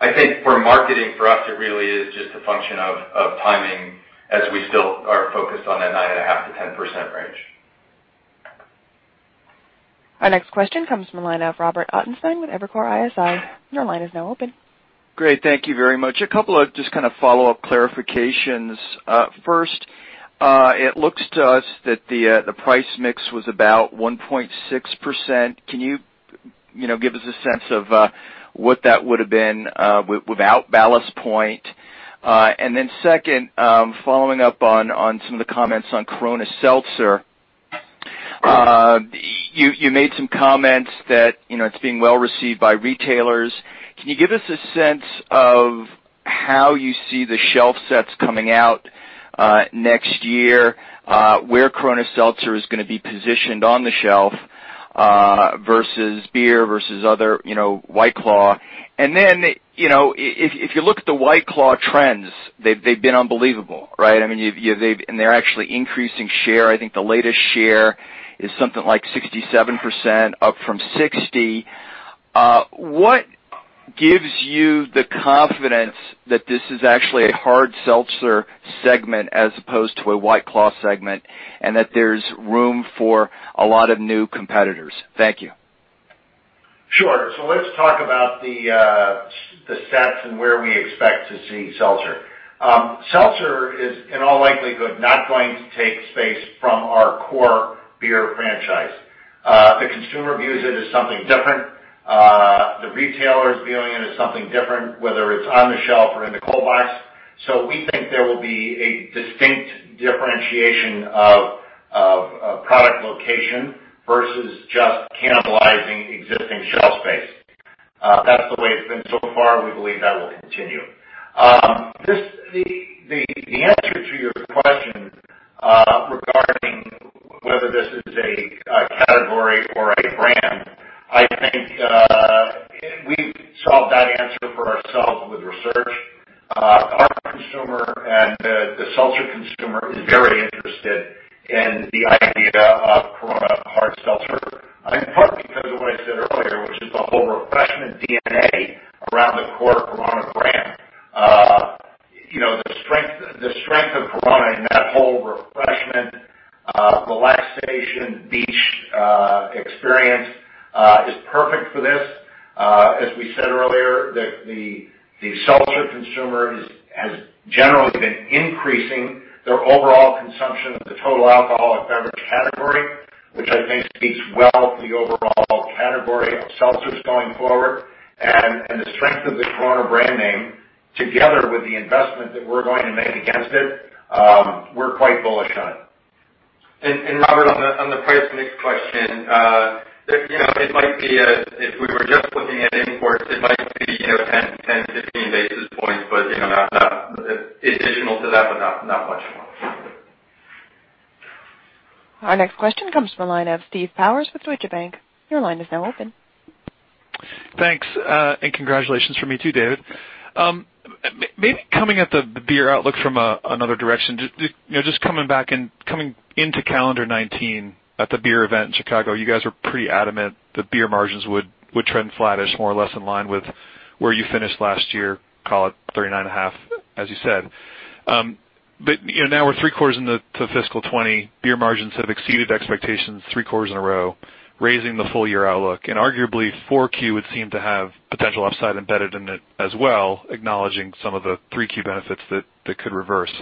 D: I think for marketing for us, it really is just a function of timing as we still are focused on that 9.5%-10% range.
A: Our next question comes from the line of Robert Ottenstein with Evercore ISI. Your line is now open.
L: Great. Thank you very much. A couple of just kind of follow-up clarifications. First, it looks to us that the price mix was about 1.6%. Can you give us a sense of what that would've been without Ballast Point? Second, following up on some of the comments on Corona Seltzer. You made some comments that it's being well-received by retailers. Can you give us a sense of how you see the shelf sets coming out next year, where Corona Seltzer is going to be positioned on the shelf, versus beer, versus other, White Claw? If you look at the White Claw trends, they've been unbelievable, right? They're actually increasing share. I think the latest share is something like 67%, up from 60%. What gives you the confidence that this is actually a hard seltzer segment as opposed to a White Claw segment, and that there's room for a lot of new competitors? Thank you.
C: Sure. Let's talk about the seltzers and where we expect to see seltzer. Seltzer is, in all likelihood, not going to take space from our core beer franchise. The consumer views it as something different. The retailer is viewing it as something different, whether it's on the shelf or in the cold box. We think there will be a distinct differentiation of product location versus just cannibalizing existing shelf space. That's the way it's been so far. We believe that will continue. The answer to your question regarding whether this is a category or a brand, I think, we've solved that answer for ourselves with research. Our consumer and the seltzer consumer is very interested in the idea of Corona Hard Seltzer, in part because of what I said earlier, which is the whole refreshment DNA around the core Corona brand. The strength of Corona in that whole refreshment, relaxation, beach experience is perfect for this. As we said earlier, the seltzer consumer has generally been increasing their overall consumption of the total alcoholic beverage category, which I think speaks well for the overall category of seltzers going forward. The strength of the Corona brand name, together with the investment that we're going to make against it, we're quite bullish on.
D: Robert, on the price mix question, if we were just looking at imports, it might be 10, 15 basis points, additional to that, but not much more.
A: Our next question comes from the line of Steve Powers with Deutsche Bank. Your line is now open.
M: Thanks. Congratulations from me too, David. Maybe coming at the beer outlook from another direction. Just coming back and coming into calendar 2019 at the beer event in Chicago, you guys were pretty adamant that beer margins would trend flattish more or less in line with where you finished last year, call it 39.5%, as you said. Now we're three quarters into FY 2020. Beer margins have exceeded expectations three quarters in a row, raising the full-year outlook, and arguably Q4 would seem to have potential upside embedded in it as well, acknowledging some of the Q3 benefits that could reverse.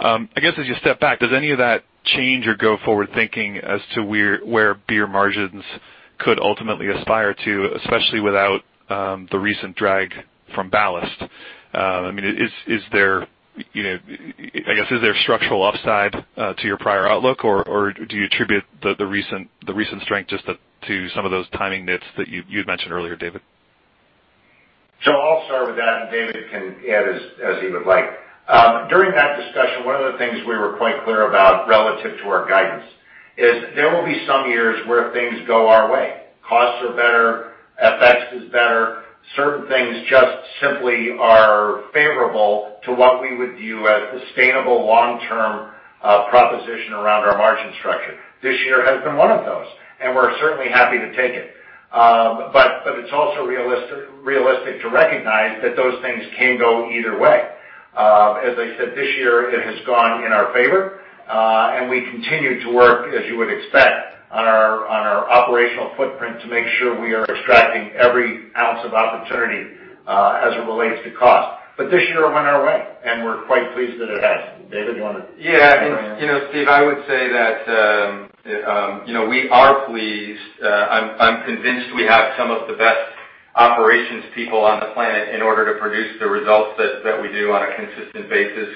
M: I guess, as you step back, does any of that change your go-forward thinking as to where beer margins could ultimately aspire to, especially without the recent drag from Ballast? Is there structural upside to your prior outlook, or do you attribute the recent strength just to some of those timing nits that you'd mentioned earlier, David?
C: I'll start with that, and David can add as he would like. During that discussion, one of the things we were quite clear about relative to our guidance is there will be some years where things go our way. Costs are better, FX is better. Certain things just simply are favorable to what we would view as sustainable long-term proposition around our margin structure. This year has been one of those, and we're certainly happy to take it. It's also realistic to recognize that those things can go either way. As I said, this year it has gone in our favor, and we continue to work, as you would expect, on our operational footprint to make sure we are extracting every ounce of opportunity, as it relates to cost. This year went our way, and we're quite pleased that it has. David, you want to.
D: Steve, I would say that we are pleased. I'm convinced we have some of the best operations people on the planet in order to produce the results that we do on a consistent basis.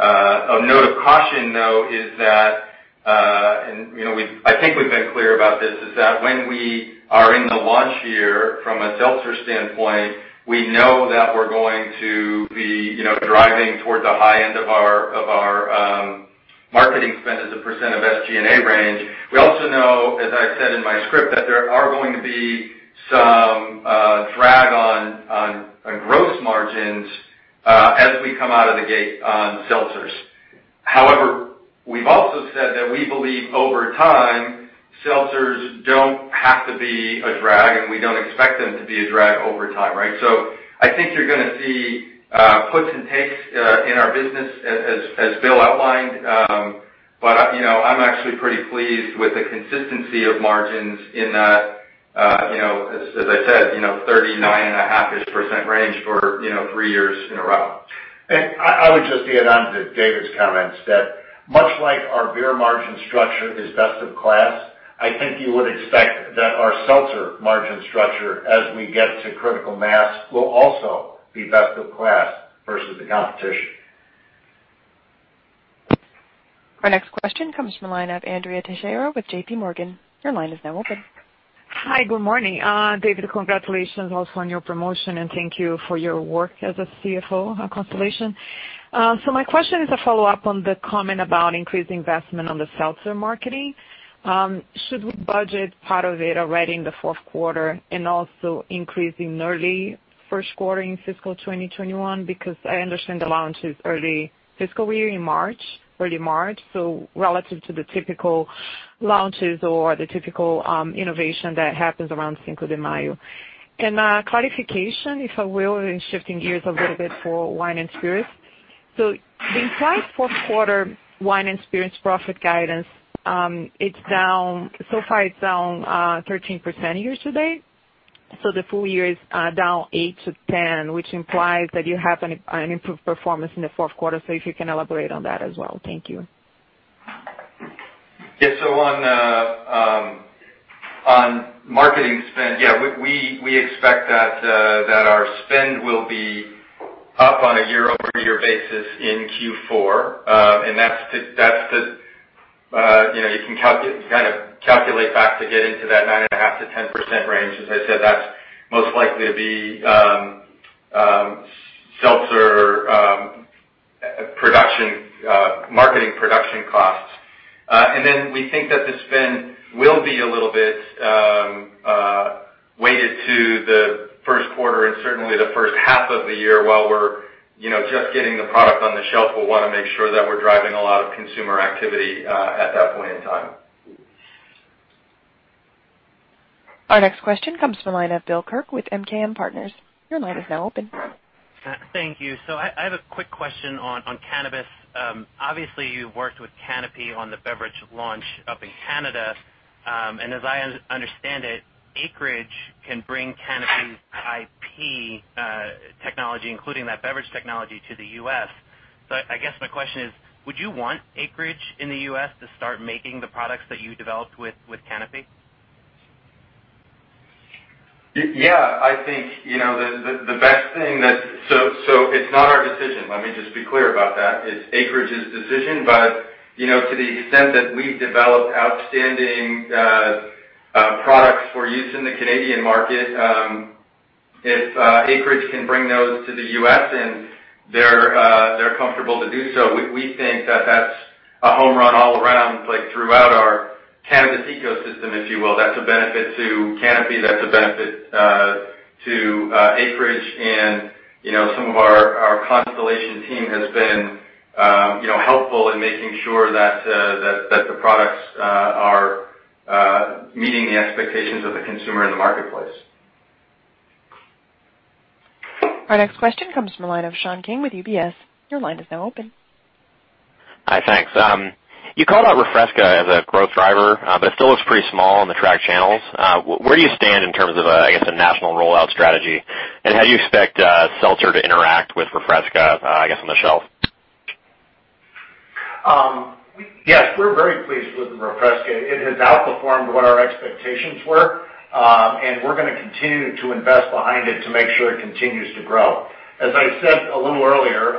D: Of note of caution, though, is that, and I think we've been clear about this, is that when we are in the launch year from a seltzer standpoint, we know that we're going to be driving towards the high end of our marketing spend as a percentage of SG&A range. We also know, as I said in my script, that there are going to be some drag on gross margins as we come out of the gate on seltzers. We've also said that we believe over time, seltzers don't have to be a drag, and we don't expect them to be a drag over time, right? I think you're going to see puts and takes in our business as Bill outlined. I'm actually pretty pleased with the consistency of margins in that, as I said, 39.5%-ish range for three years in a row.
C: I would just add on to David's comments that much like our beer margin structure is best in class, I think you would expect that our seltzer margin structure, as we get to critical mass, will also be best of class versus the competition.
A: Our next question comes from the line of Andrea Teixeira with JPMorgan. Your line is now open.
N: Hi, good morning. David, congratulations also on your promotion and thank you for your work as a CFO at Constellation. My question is a follow-up on the comment about increased investment on the seltzer marketing. Should we budget part of it already in the fourth quarter and also increase in early first quarter in fiscal 2021? I understand the launch is early fiscal year in March, early March, so relative to the typical launches or the typical innovation that happens around Cinco de Mayo. Clarification, if I will, in shifting gears a little bit for wine and spirits. The implied fourth quarter wine and spirits profit guidance, so far it's down 13% year-to-date. The full-year is down 8 -10, which implies that you have an improved performance in the fourth quarter. If you can elaborate on that as well. Thank you.
D: Yeah. On marketing spend, yeah, we expect that our spend will be up on a year-over-year basis in Q4. You can calculate back to get into that 9.5%- 10% range. As I said, that's most likely to be seltzer marketing production costs. We think that the spend will be a little bit weighted to the first quarter and certainly the first half of the year while we're just getting the product on the shelf. We'll want to make sure that we're driving a lot of consumer activity at that point in time.
A: Our next question comes from the line of Bill Kirk with MKM Partners. Your line is now open.
O: Thank you. I have a quick question on cannabis. Obviously, you've worked with Canopy on the beverage launch up in Canada. As I understand it, Acreage can bring Canopy's IP technology, including that beverage technology, to the U.S. I guess my question is, would you want Acreage in the U.S. to start making the products that you developed with Canopy?
D: Yeah. It's not our decision, let me just be clear about that. It's Acreage's decision. To the extent that we've developed outstanding products for use in the Canadian market, if Acreage can bring those to the U.S. and they're comfortable to do so, we think that that's a home run all around, like throughout our cannabis ecosystem, if you will. That's a benefit to Canopy. That's a benefit to Acreage. Some of our Constellation team has been helpful in making sure that the products are meeting the expectations of the consumer in the marketplace.
A: Our next question comes from the line of Sean King with UBS. Your line is now open.
P: Hi, thanks. You called out Corona Refresca as a growth driver, but it still looks pretty small on the tracked channels. Where do you stand in terms of, I guess, a national rollout strategy? How do you expect seltzer to interact with Corona Refresca, I guess, on the shelf?
C: Yes, we're very pleased with Refresca. It has outperformed what our expectations were. We're going to continue to invest behind it to make sure it continues to grow. As I said a little earlier,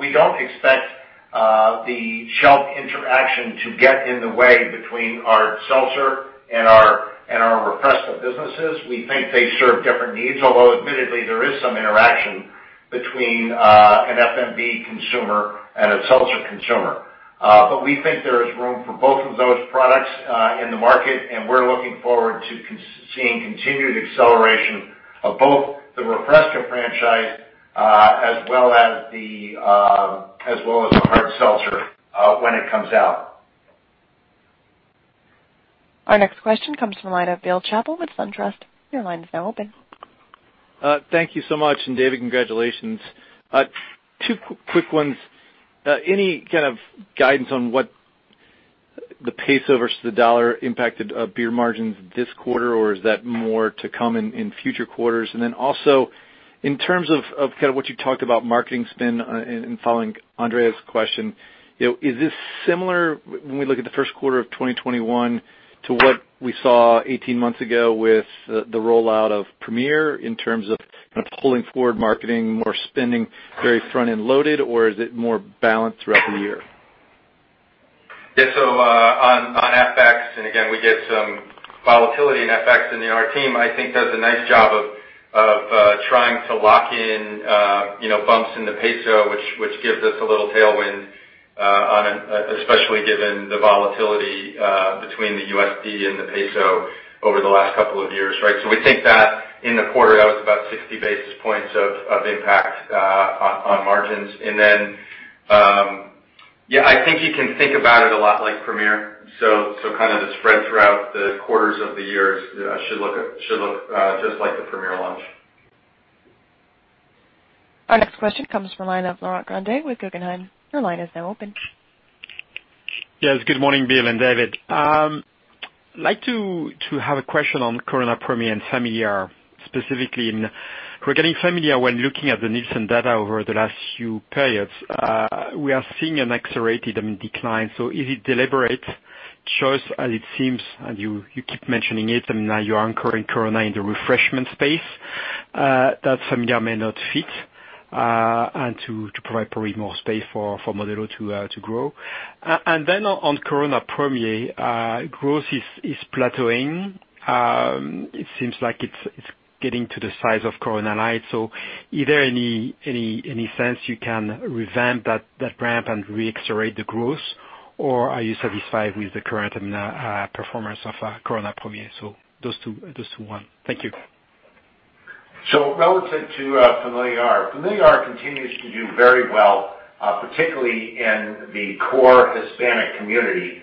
C: we don't expect the shelf interaction to get in the way between our seltzer and our Refresca businesses. We think they serve different needs, although admittedly, there is some interaction between an FMB consumer and a seltzer consumer. We think there is room for both of those products in the market, and we're looking forward to seeing continued acceleration of both the Refresca franchise as well as the Hard Seltzer when it comes out.
A: Our next question comes from the line of Bill Chappell with SunTrust. Your line is now open.
Q: Thank you so much. David, congratulations. Two quick ones. Any kind of guidance on what the pace versus the dollar impacted beer margins this quarter, or is that more to come in future quarters? Then also, in terms of what you talked about marketing spend and following Andrea's question, is this similar when we look at the first quarter of 2021 to what we saw 18 months ago with the rollout of Corona Premier in terms of pulling forward marketing or spending very front-end loaded, or is it more balanced throughout the year?
D: On FX, again, we get some volatility in FX, and our team, I think, does a nice job of trying to lock in bumps in the peso, which gives us a little tailwind, especially given the volatility between the USD and the peso over the last couple of years, right? We think that in the quarter, that was about 60 basis points of impact on margins. I think you can think about it a lot like Premier. Kind of the spread throughout the quarters of the year should look just like the Premier launch.
A: Our next question comes from line of Laurent Grandet with Guggenheim. Your line is now open.
R: Good morning, Bill and David. I'd like to have a question on Corona Premier and Familiar. Specifically, regarding Familiar, when looking at the Nielsen data over the last few periods, we are seeing an accelerated decline. Is it deliberate choice as it seems, and you keep mentioning it, and now you are anchoring Corona in the refreshment space that Familiar may not fit, and to provide probably more space for Modelo to grow? On Corona Premier, growth is plateauing. It seems like it's getting to the size of Corona Light. Either any sense you can revamp that ramp and re-accelerate the growth, or are you satisfied with the current performance of Corona Premier? Those two. One. Thank you.
C: Relative to Familiar. Familiar continues to do very well, particularly in the core Hispanic community,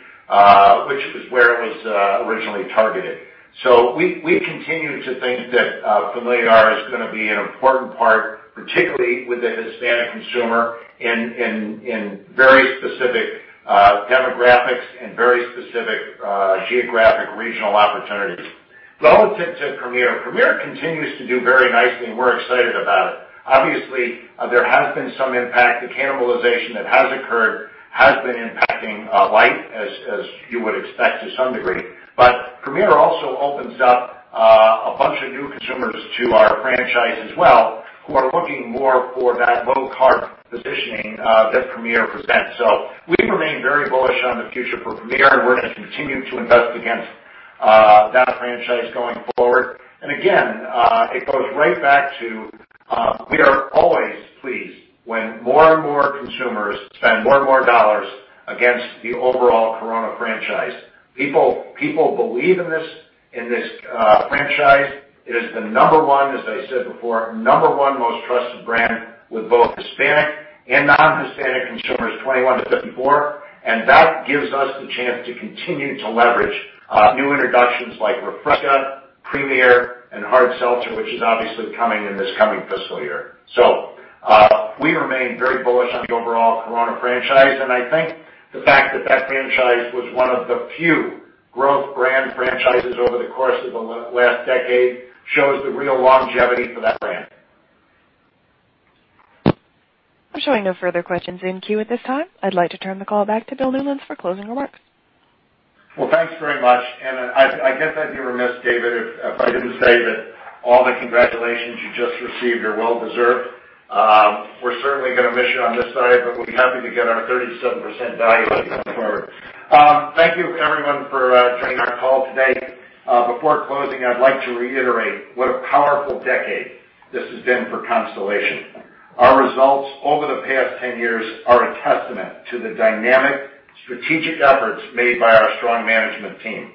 C: which was where it was originally targeted. We continue to think that Familiar is going to be an important part, particularly with the Hispanic consumer in very specific demographics and very specific geographic regional opportunities. Relative to Premier continues to do very nicely, and we're excited about it. Obviously, there has been some impact. The cannibalization that has occurred has been impacting Light, as you would expect to some degree. Premier also opens up a bunch of new consumers to our franchise as well, who are looking more for that low-carb positioning that Premier presents. We remain very bullish on the future for Premier, and we're going to continue to invest against that franchise going forward. Again, it goes right back to we are always pleased when more and more consumers spend more and more dollars against the overall Corona franchise. People believe in this franchise. It is the number one, as I said before, number one most trusted brand with both Hispanic and non-Hispanic consumers 21 - 54, and that gives us the chance to continue to leverage new introductions like Refresca, Premier, and Hard Seltzer, which is obviously coming in this coming fiscal year. We remain very bullish on the overall Corona franchise, and I think the fact that that franchise was one of the few growth brand franchises over the course of the last decade shows the real longevity for that brand.
A: I'm showing no further questions in queue at this time. I'd like to turn the call back to Bill Newlands for closing remarks.
C: Well, thanks very much. I guess I'd be remiss, David, if I didn't say that all the congratulations you just received are well-deserved. We're certainly going to miss you on this side, but we'll be happy to get our 37% value out going forward. Thank you everyone for joining our call today. Before closing, I'd like to reiterate what a powerful decade this has been for Constellation. Our results over the past 10 years are a testament to the dynamic strategic efforts made by our strong management team.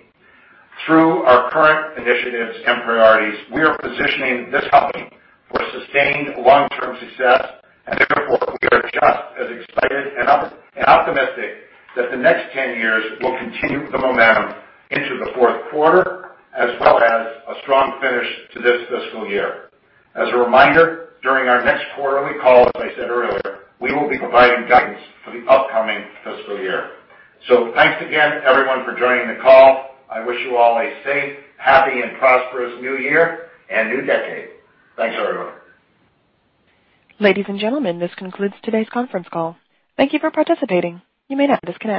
C: Through our current initiatives and priorities, we are positioning this company for sustained long-term success, therefore, we are just as excited and optimistic that the next 10 years will continue the momentum into the fourth quarter, as well as a strong finish to this fiscal year. As a reminder, during our next quarterly call, as I said earlier, we will be providing guidance for the upcoming fiscal year. Thanks again everyone for joining the call. I wish you all a safe, happy, and prosperous new year and new decade. Thanks, everyone.
A: Ladies and gentlemen, this concludes today's conference call. Thank you for participating. You may now disconnect.